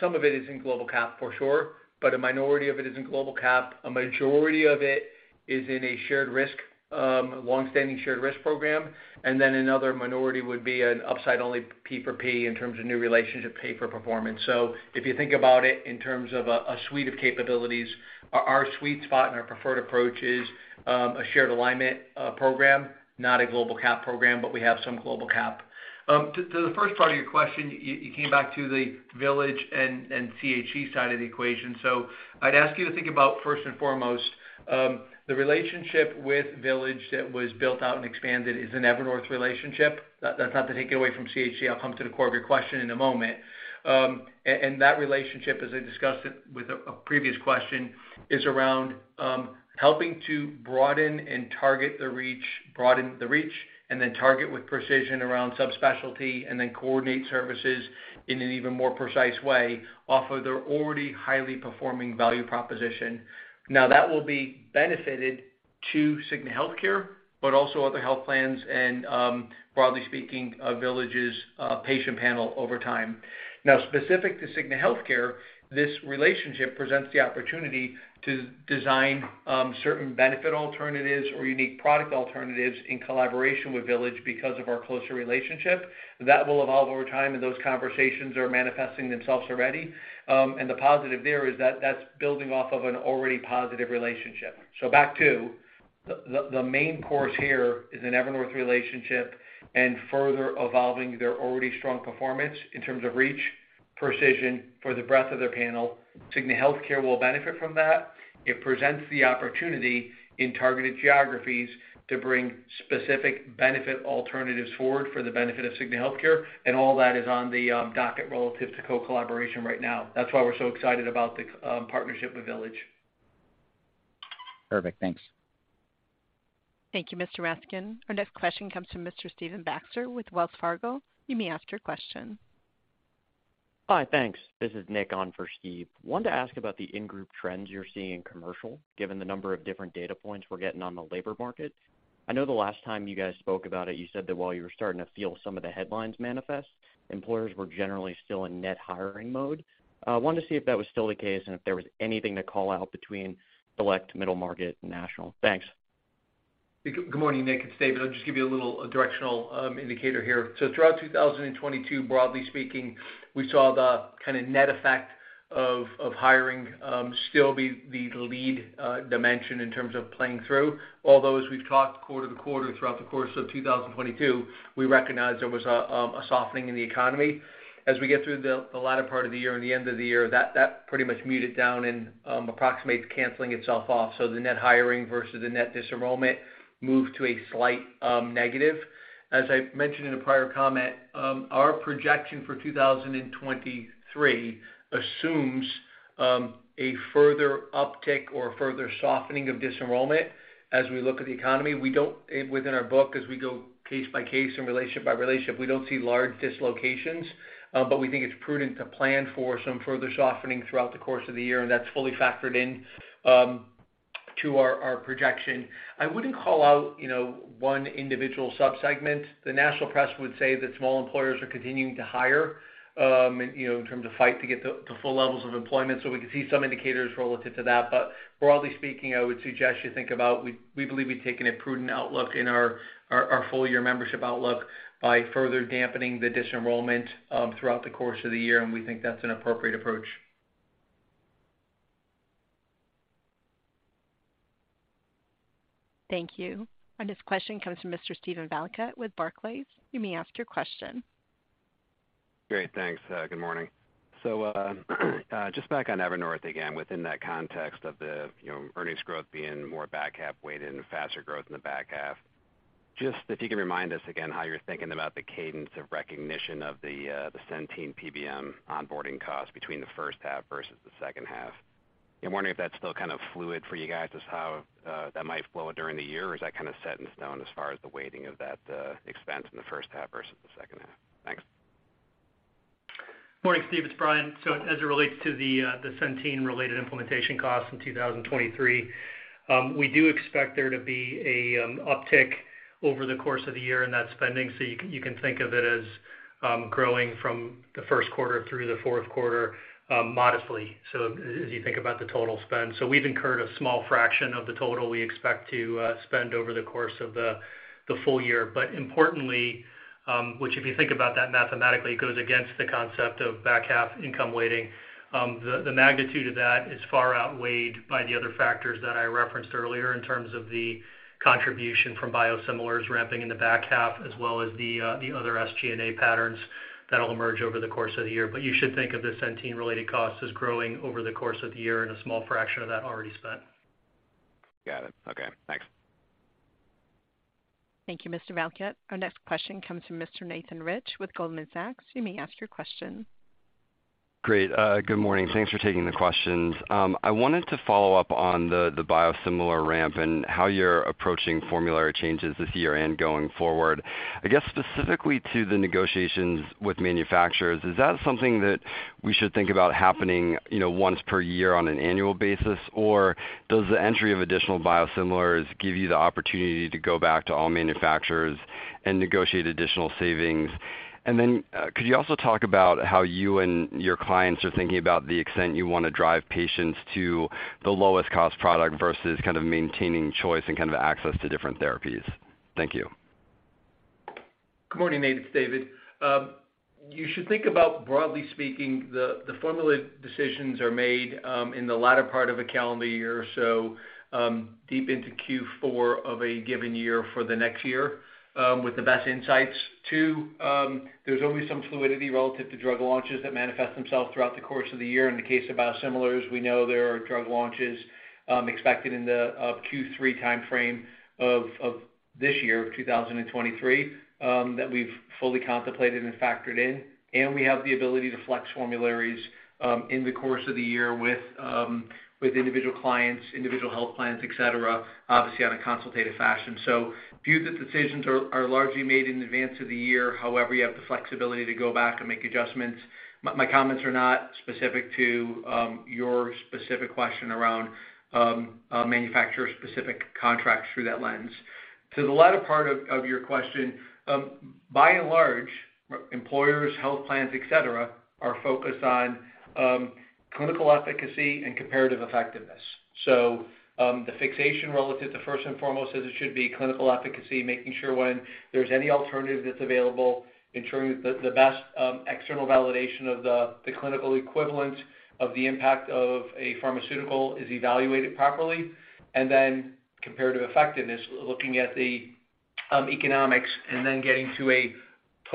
Some of it is in global cap for sure, but a minority of it is in global cap. A majority of it is in a shared risk, longstanding shared risk program, and then another minority would be an upside-only P for P in terms of new relationship pay for performance. If you think about it in terms of a suite of capabilities, our sweet spot and our preferred approach is a shared alignment program, not a global cap program, but we have some global cap. To the first part of your question, you came back to the Village and CHE side of the equation. I'd ask you to think about, first and foremost, the relationship with Village that was built out and expanded is an Evernorth relationship. That's not to take it away from CHE. I'll come to the core of your question in a moment. That relationship, as I discussed it with a previous question, is around helping to broaden and target the reach, broaden the reach, and then target with precision around subspecialty, and then coordinate services in an even more precise way off of their already highly performing value proposition. Now, that will be benefited to Cigna Healthcare, but also other health plans and, broadly speaking, Village's patient panel over time. Specific to Cigna Healthcare, this relationship presents the opportunity to design certain benefit alternatives or unique product alternatives in collaboration with Village because of our closer relationship. That will evolve over time. Those conversations are manifesting themselves already. The positive there is that that's building off of an already positive relationship. Back to the, the main course here is an Evernorth relationship and further evolving their already strong performance in terms of reach, precision for the breadth of their panel. Cigna Healthcare will benefit from that. It presents the opportunity in targeted geographies to bring specific benefit alternatives forward for the benefit of Cigna Healthcare. All that is on the docket relative to co-collaboration right now. That's why we're so excited about the partnership with Village. Perfect. Thanks. Thank you, Mr. Raskin. Our next question comes from Mr. Stephen Baxter with Wells Fargo. You may ask your question. Hi. Thanks. This is Nick on for Steve. Wanted to ask about the in-group trends you're seeing in commercial, given the number of different data points we're getting on the labor market. I know the last time you guys spoke about it, you said that while you were starting to feel some of the headlines manifest, employers were generally still in net hiring mode. Wanted to see if that was still the case and if there was anything to call out between select middle market and national. Thanks. Good morning, Nick. It's David. I'll just give you a little directional indicator here. Throughout 2022, broadly speaking, we saw the kind of net effect of hiring still be the lead dimension in terms of playing through. Although, as we've talked quarter to quarter throughout the course of 2022, we recognized there was a softening in the economy. As we get through the latter part of the year and the end of the year, that pretty much muted down and approximates canceling itself off. The net hiring versus the net disenrollment moved to a slight negative. As I mentioned in a prior comment, our projection for 2023 assumes a further uptick or further softening of disenrollment as we look at the economy. We don't, within our book, as we go case by case and relationship by relationship, we don't see large dislocations, but we think it's prudent to plan for some further softening throughout the course of the year, and that's fully factored in to our projection. I wouldn't call out, you know, one individual subsegment. The national press would say that small employers are continuing to hire, you know, in terms of fight to get the full levels of employment. We can see some indicators relative to that. Broadly speaking, I would suggest you think about we believe we've taken a prudent outlook in our full year membership outlook by further dampening the disenrollment throughout the course of the year, and we think that's an appropriate approach. Thank you. Our next question comes from Mr. Steven Valiquette with Barclays. You may ask your question. Great. Thanks. Good morning. Just back on Evernorth again, within that context of the, you know, earnings growth being more back half weighted and faster growth in the back half, just if you can remind us again how you're thinking about the cadence of recognition of the Centene PBM onboarding cost between the first half versus the second half. I'm wondering if that's still kind of fluid for you guys as how that might flow during the year, or is that kind of set in stone as far as the weighting of that expense in the first half versus the second half? Thanks. Morning, Steve. It's Brian. As it relates to the Centene-related implementation costs in 2023, we do expect there to be a uptick over the course of the year in that spending. You can think of it as growing from the Q1 through the Q4, modestly. As you think about the total spend. We've incurred a small fraction of the total we expect to spend over the course of the full year. Importantly, which if you think about that mathematically, it goes against the concept of back half income weighting. The magnitude of that is far outweighed by the other factors that I referenced earlier in terms of the contribution from biosimilars ramping in the back half as well as the other SG&A patterns. That'll emerge over the course of the year. You should think of the Centene related costs as growing over the course of the year. A small fraction of that already spent. Got it. Okay, thanks. Thank you, Mr. Valiquette. Our next question comes from Mr. Nathan Rich with Goldman Sachs. You may ask your question. Great. Good morning. Thanks for taking the questions. I wanted to follow up on the biosimilar ramp and how you're approaching formulary changes this year and going forward. I guess, specifically to the negotiations with manufacturers, is that something that we should think about happening, you know, once per year on an annual basis? Or does the entry of additional biosimilars give you the opportunity to go back to all manufacturers and negotiate additional savings? Could you also talk about how you and your clients are thinking about the extent you wanna drive patients to the lowest cost product versus kind of maintaining choice and kind of access to different therapies? Thank you. Good morning, Nathan. It's David. You should think about, broadly speaking, the formula decisions are made in the latter part of a calendar year, so deep into Q4 of a given year for the next year, with the best insights. Two, there's always some fluidity relative to drug launches that manifest themselves throughout the course of the year. In the case of biosimilars, we know there are drug launches expected in the Q3 timeframe of this year, of 2023, that we've fully contemplated and factored in. We have the ability to flex formularies in the course of the year with individual clients, individual health plans, et cetera, obviously on a consultative fashion. View the decisions are largely made in advance of the year. However, you have the flexibility to go back and make adjustments. My comments are not specific to your specific question around manufacturer-specific contracts through that lens. To the latter part of your question, by and large, employers, health plans, et cetera, are focused on clinical efficacy and comparative effectiveness. The fixation relative to first and foremost, as it should be, clinical efficacy, making sure when there's any alternative that's available, ensuring that the best external validation of the clinical equivalent of the impact of a pharmaceutical is evaluated properly, and then comparative effectiveness, looking at the economics and then getting to a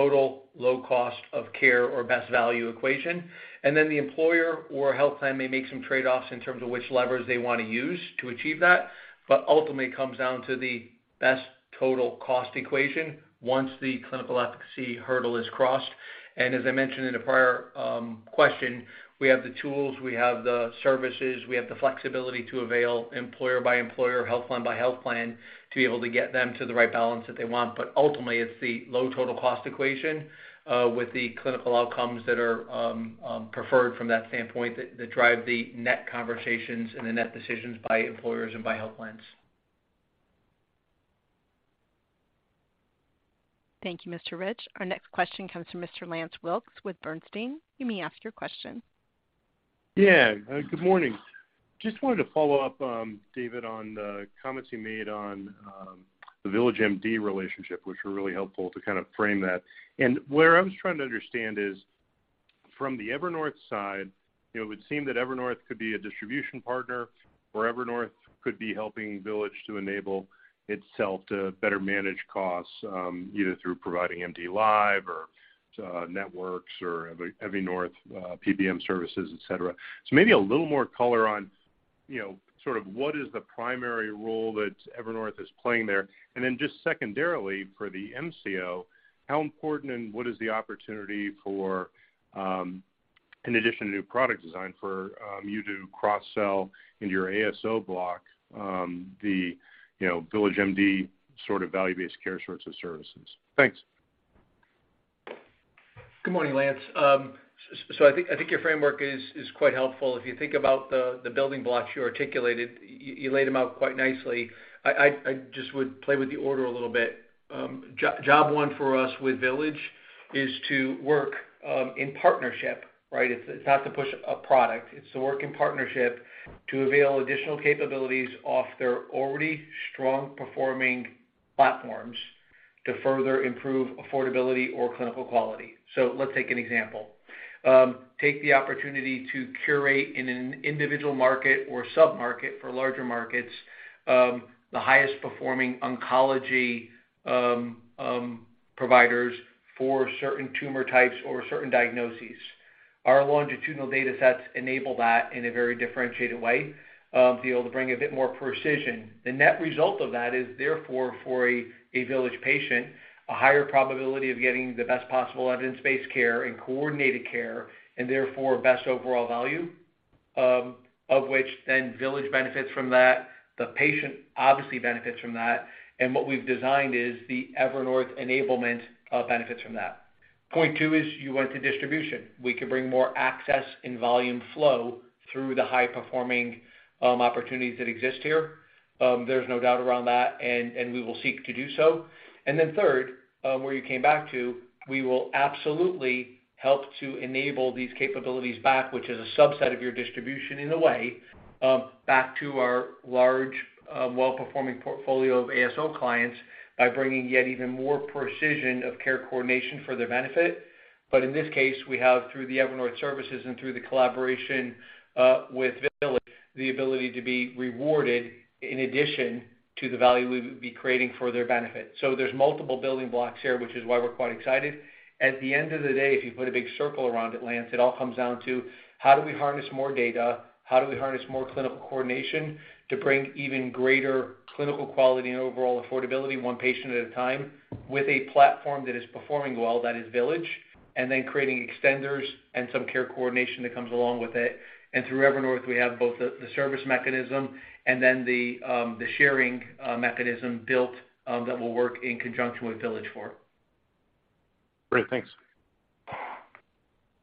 total low cost of care or best value equation. The employer or health plan may make some trade-offs in terms of which levers they wanna use to achieve that, but ultimately it comes down to the best total cost equation once the clinical efficacy hurdle is crossed. As I mentioned in a prior question, we have the tools, we have the services, we have the flexibility to avail employer by employer, health plan by health plan, to be able to get them to the right balance that they want. Ultimately, it's the low total cost equation with the clinical outcomes that are preferred from that standpoint that drive the net conversations and the net decisions by employers and by health plans. Thank you, Mr. Rich. Our next question comes from Mr. Lance Wilkes with Bernstein. You may ask your question. Yeah, good morning. Just wanted to follow up, David, on the comments you made on the VillageMD relationship, which were really helpful to kind of frame that. Where I was trying to understand is, from the Evernorth side, you know, it would seem that Evernorth could be a distribution partner, or Evernorth could be helping VillageMD to enable itself to better manage costs, either through providing MDLIVE or networks or Evernorth PBM services, et cetera. Maybe a little more color on, you know, sort of what is the primary role that Evernorth is playing there? Then just secondarily, for the MCO, how important and what is the opportunity for, in addition to new product design, for you to cross-sell into your ASO block, the, you know, VillageMD sort of value-based care sorts of services? Thanks. Good morning, Lance. I think your framework is quite helpful. If you think about the building blocks you articulated, you laid them out quite nicely. I just would play with the order a little bit. Job one for us with Village is to work in partnership, right? It's not to push a product. It's to work in partnership to avail additional capabilities off their already strong performing platforms to further improve affordability or clinical quality. Let's take an example. Take the opportunity to curate in an individual market or sub-market for larger markets, the highest performing oncology providers for certain tumor types or certain diagnoses. Our longitudinal data sets enable that in a very differentiated way to be able to bring a bit more precision. The net result of that is, therefore, for a Village patient, a higher probability of getting the best possible evidence-based care and coordinated care, and therefore best overall value, of which then Village benefits from that, the patient obviously benefits from that, and what we've designed is the Evernorth enablement benefits from that. Point two is you went to distribution. We could bring more access and volume flow through the high-performing opportunities that exist here. There's no doubt around that, and we will seek to do so. Then third, where you came back to, we will absolutely help to enable these capabilities back, which is a subset of your distribution in a way, back to our large, well-performing portfolio of ASO clients by bringing yet even more precision of care coordination for their benefit. In this case, we have, through the Evernorth services and through the collaboration, with Village, the ability to be rewarded in addition to the value we would be creating for their benefit. There's multiple building blocks here, which is why we're quite excited. At the end of the day, if you put a big circle around it, Lance, it all comes down to how do we harness more data, how do we harness more clinical coordination to bring even greater clinical quality and overall affordability, one patient at a time, with a platform that is performing well, that is Village, and then creating extenders and some care coordination that comes along with it. Through Evernorth, we have both the service mechanism and then the sharing mechanism built that will work in conjunction with Village for. Great. Thanks.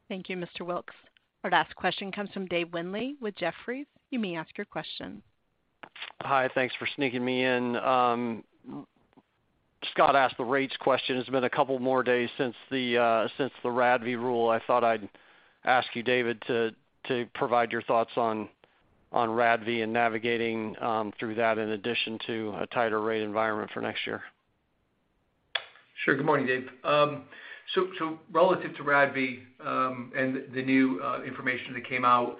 Thank you, Mr. Wilkes. Our last question comes from David Windley with Jefferies. You may ask your question. Hi. Thanks for sneaking me in. Scott asked the rates question. It's been a couple more days since the RADV rule. I thought I'd ask you, David, to provide your thoughts on RADV and navigating through that in addition to a tighter rate environment for next year. Sure. Good morning, David. So relative to RADV, and the new information that came out,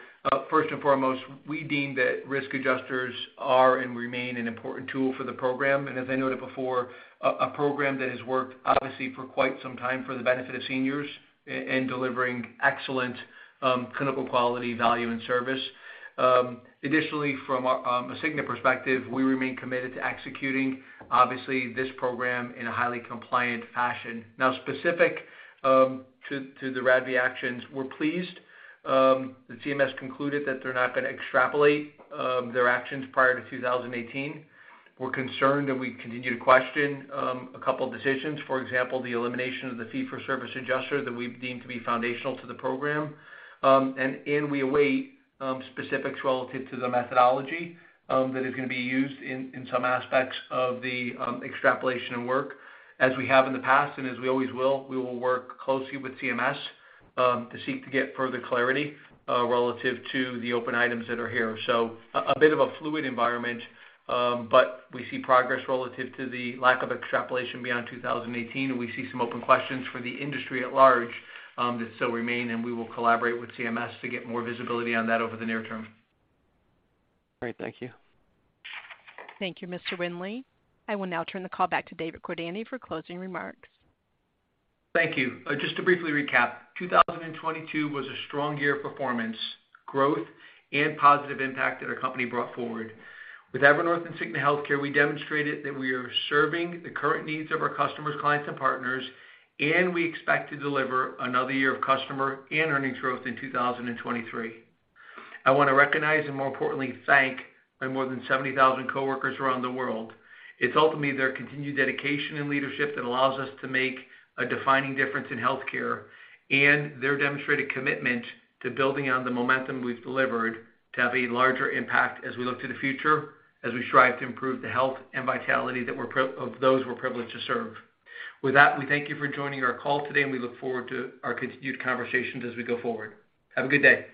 first and foremost, we deem that risk adjusters are and remain an important tool for the program. As I noted before, a program that has worked obviously for quite some time for the benefit of seniors in delivering excellent, clinical quality, value, and service. Additionally, from a Cigna perspective, we remain committed to executing, obviously, this program in a highly compliant fashion. Specific to the RADV actions, we're pleased that CMS concluded that they're not gonna extrapolate their actions prior to 2018. We're concerned, and we continue to question, a couple of decisions. For example, the elimination of the fee-for-service adjuster that we deem to be foundational to the program. We await specifics relative to the methodology that is gonna be used in some aspects of the extrapolation and work. As we have in the past and as we always will, we will work closely with CMS to seek to get further clarity relative to the open items that are here. So a bit of a fluid environment, but we see progress relative to the lack of extrapolation beyond 2018, and we see some open questions for the industry at large that still remain, and we will collaborate with CMS to get more visibility on that over the near term. Great. Thank you. Thank you, Mr. Windley. I will now turn the call back to David Cordani for closing remarks. Thank you. Just to briefly recap, 2022 was a strong year of performance, growth, and positive impact that our company brought forward. With Evernorth and Cigna Healthcare, we demonstrated that we are serving the current needs of our customers, clients, and partners, and we expect to deliver another year of customer and earnings growth in 2023. I wanna recognize, and more importantly, thank my more than 70,000 coworkers around the world. It's ultimately their continued dedication and leadership that allows us to make a defining difference in healthcare and their demonstrated commitment to building on the momentum we've delivered to have a larger impact as we look to the future, as we strive to improve the health and vitality of those we're privileged to serve. With that, we thank you for joining our call today, and we look forward to our continued conversations as we go forward. Have a good day.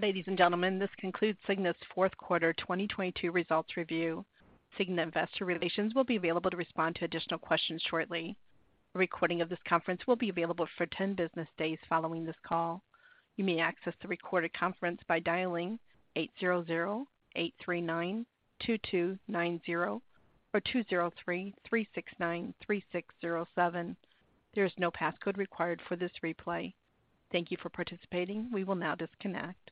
Ladies and gentlemen, this concludes Cigna's Q4 2022 results review. Cigna Investor Relations will be available to respond to additional questions shortly. A recording of this conference will be available for 10 business days following this call. You may access the recorded conference by dialing 800-839-2290 or 203-369-3607. There is no passcode required for this replay. Thank you for participating. We will now disconnect.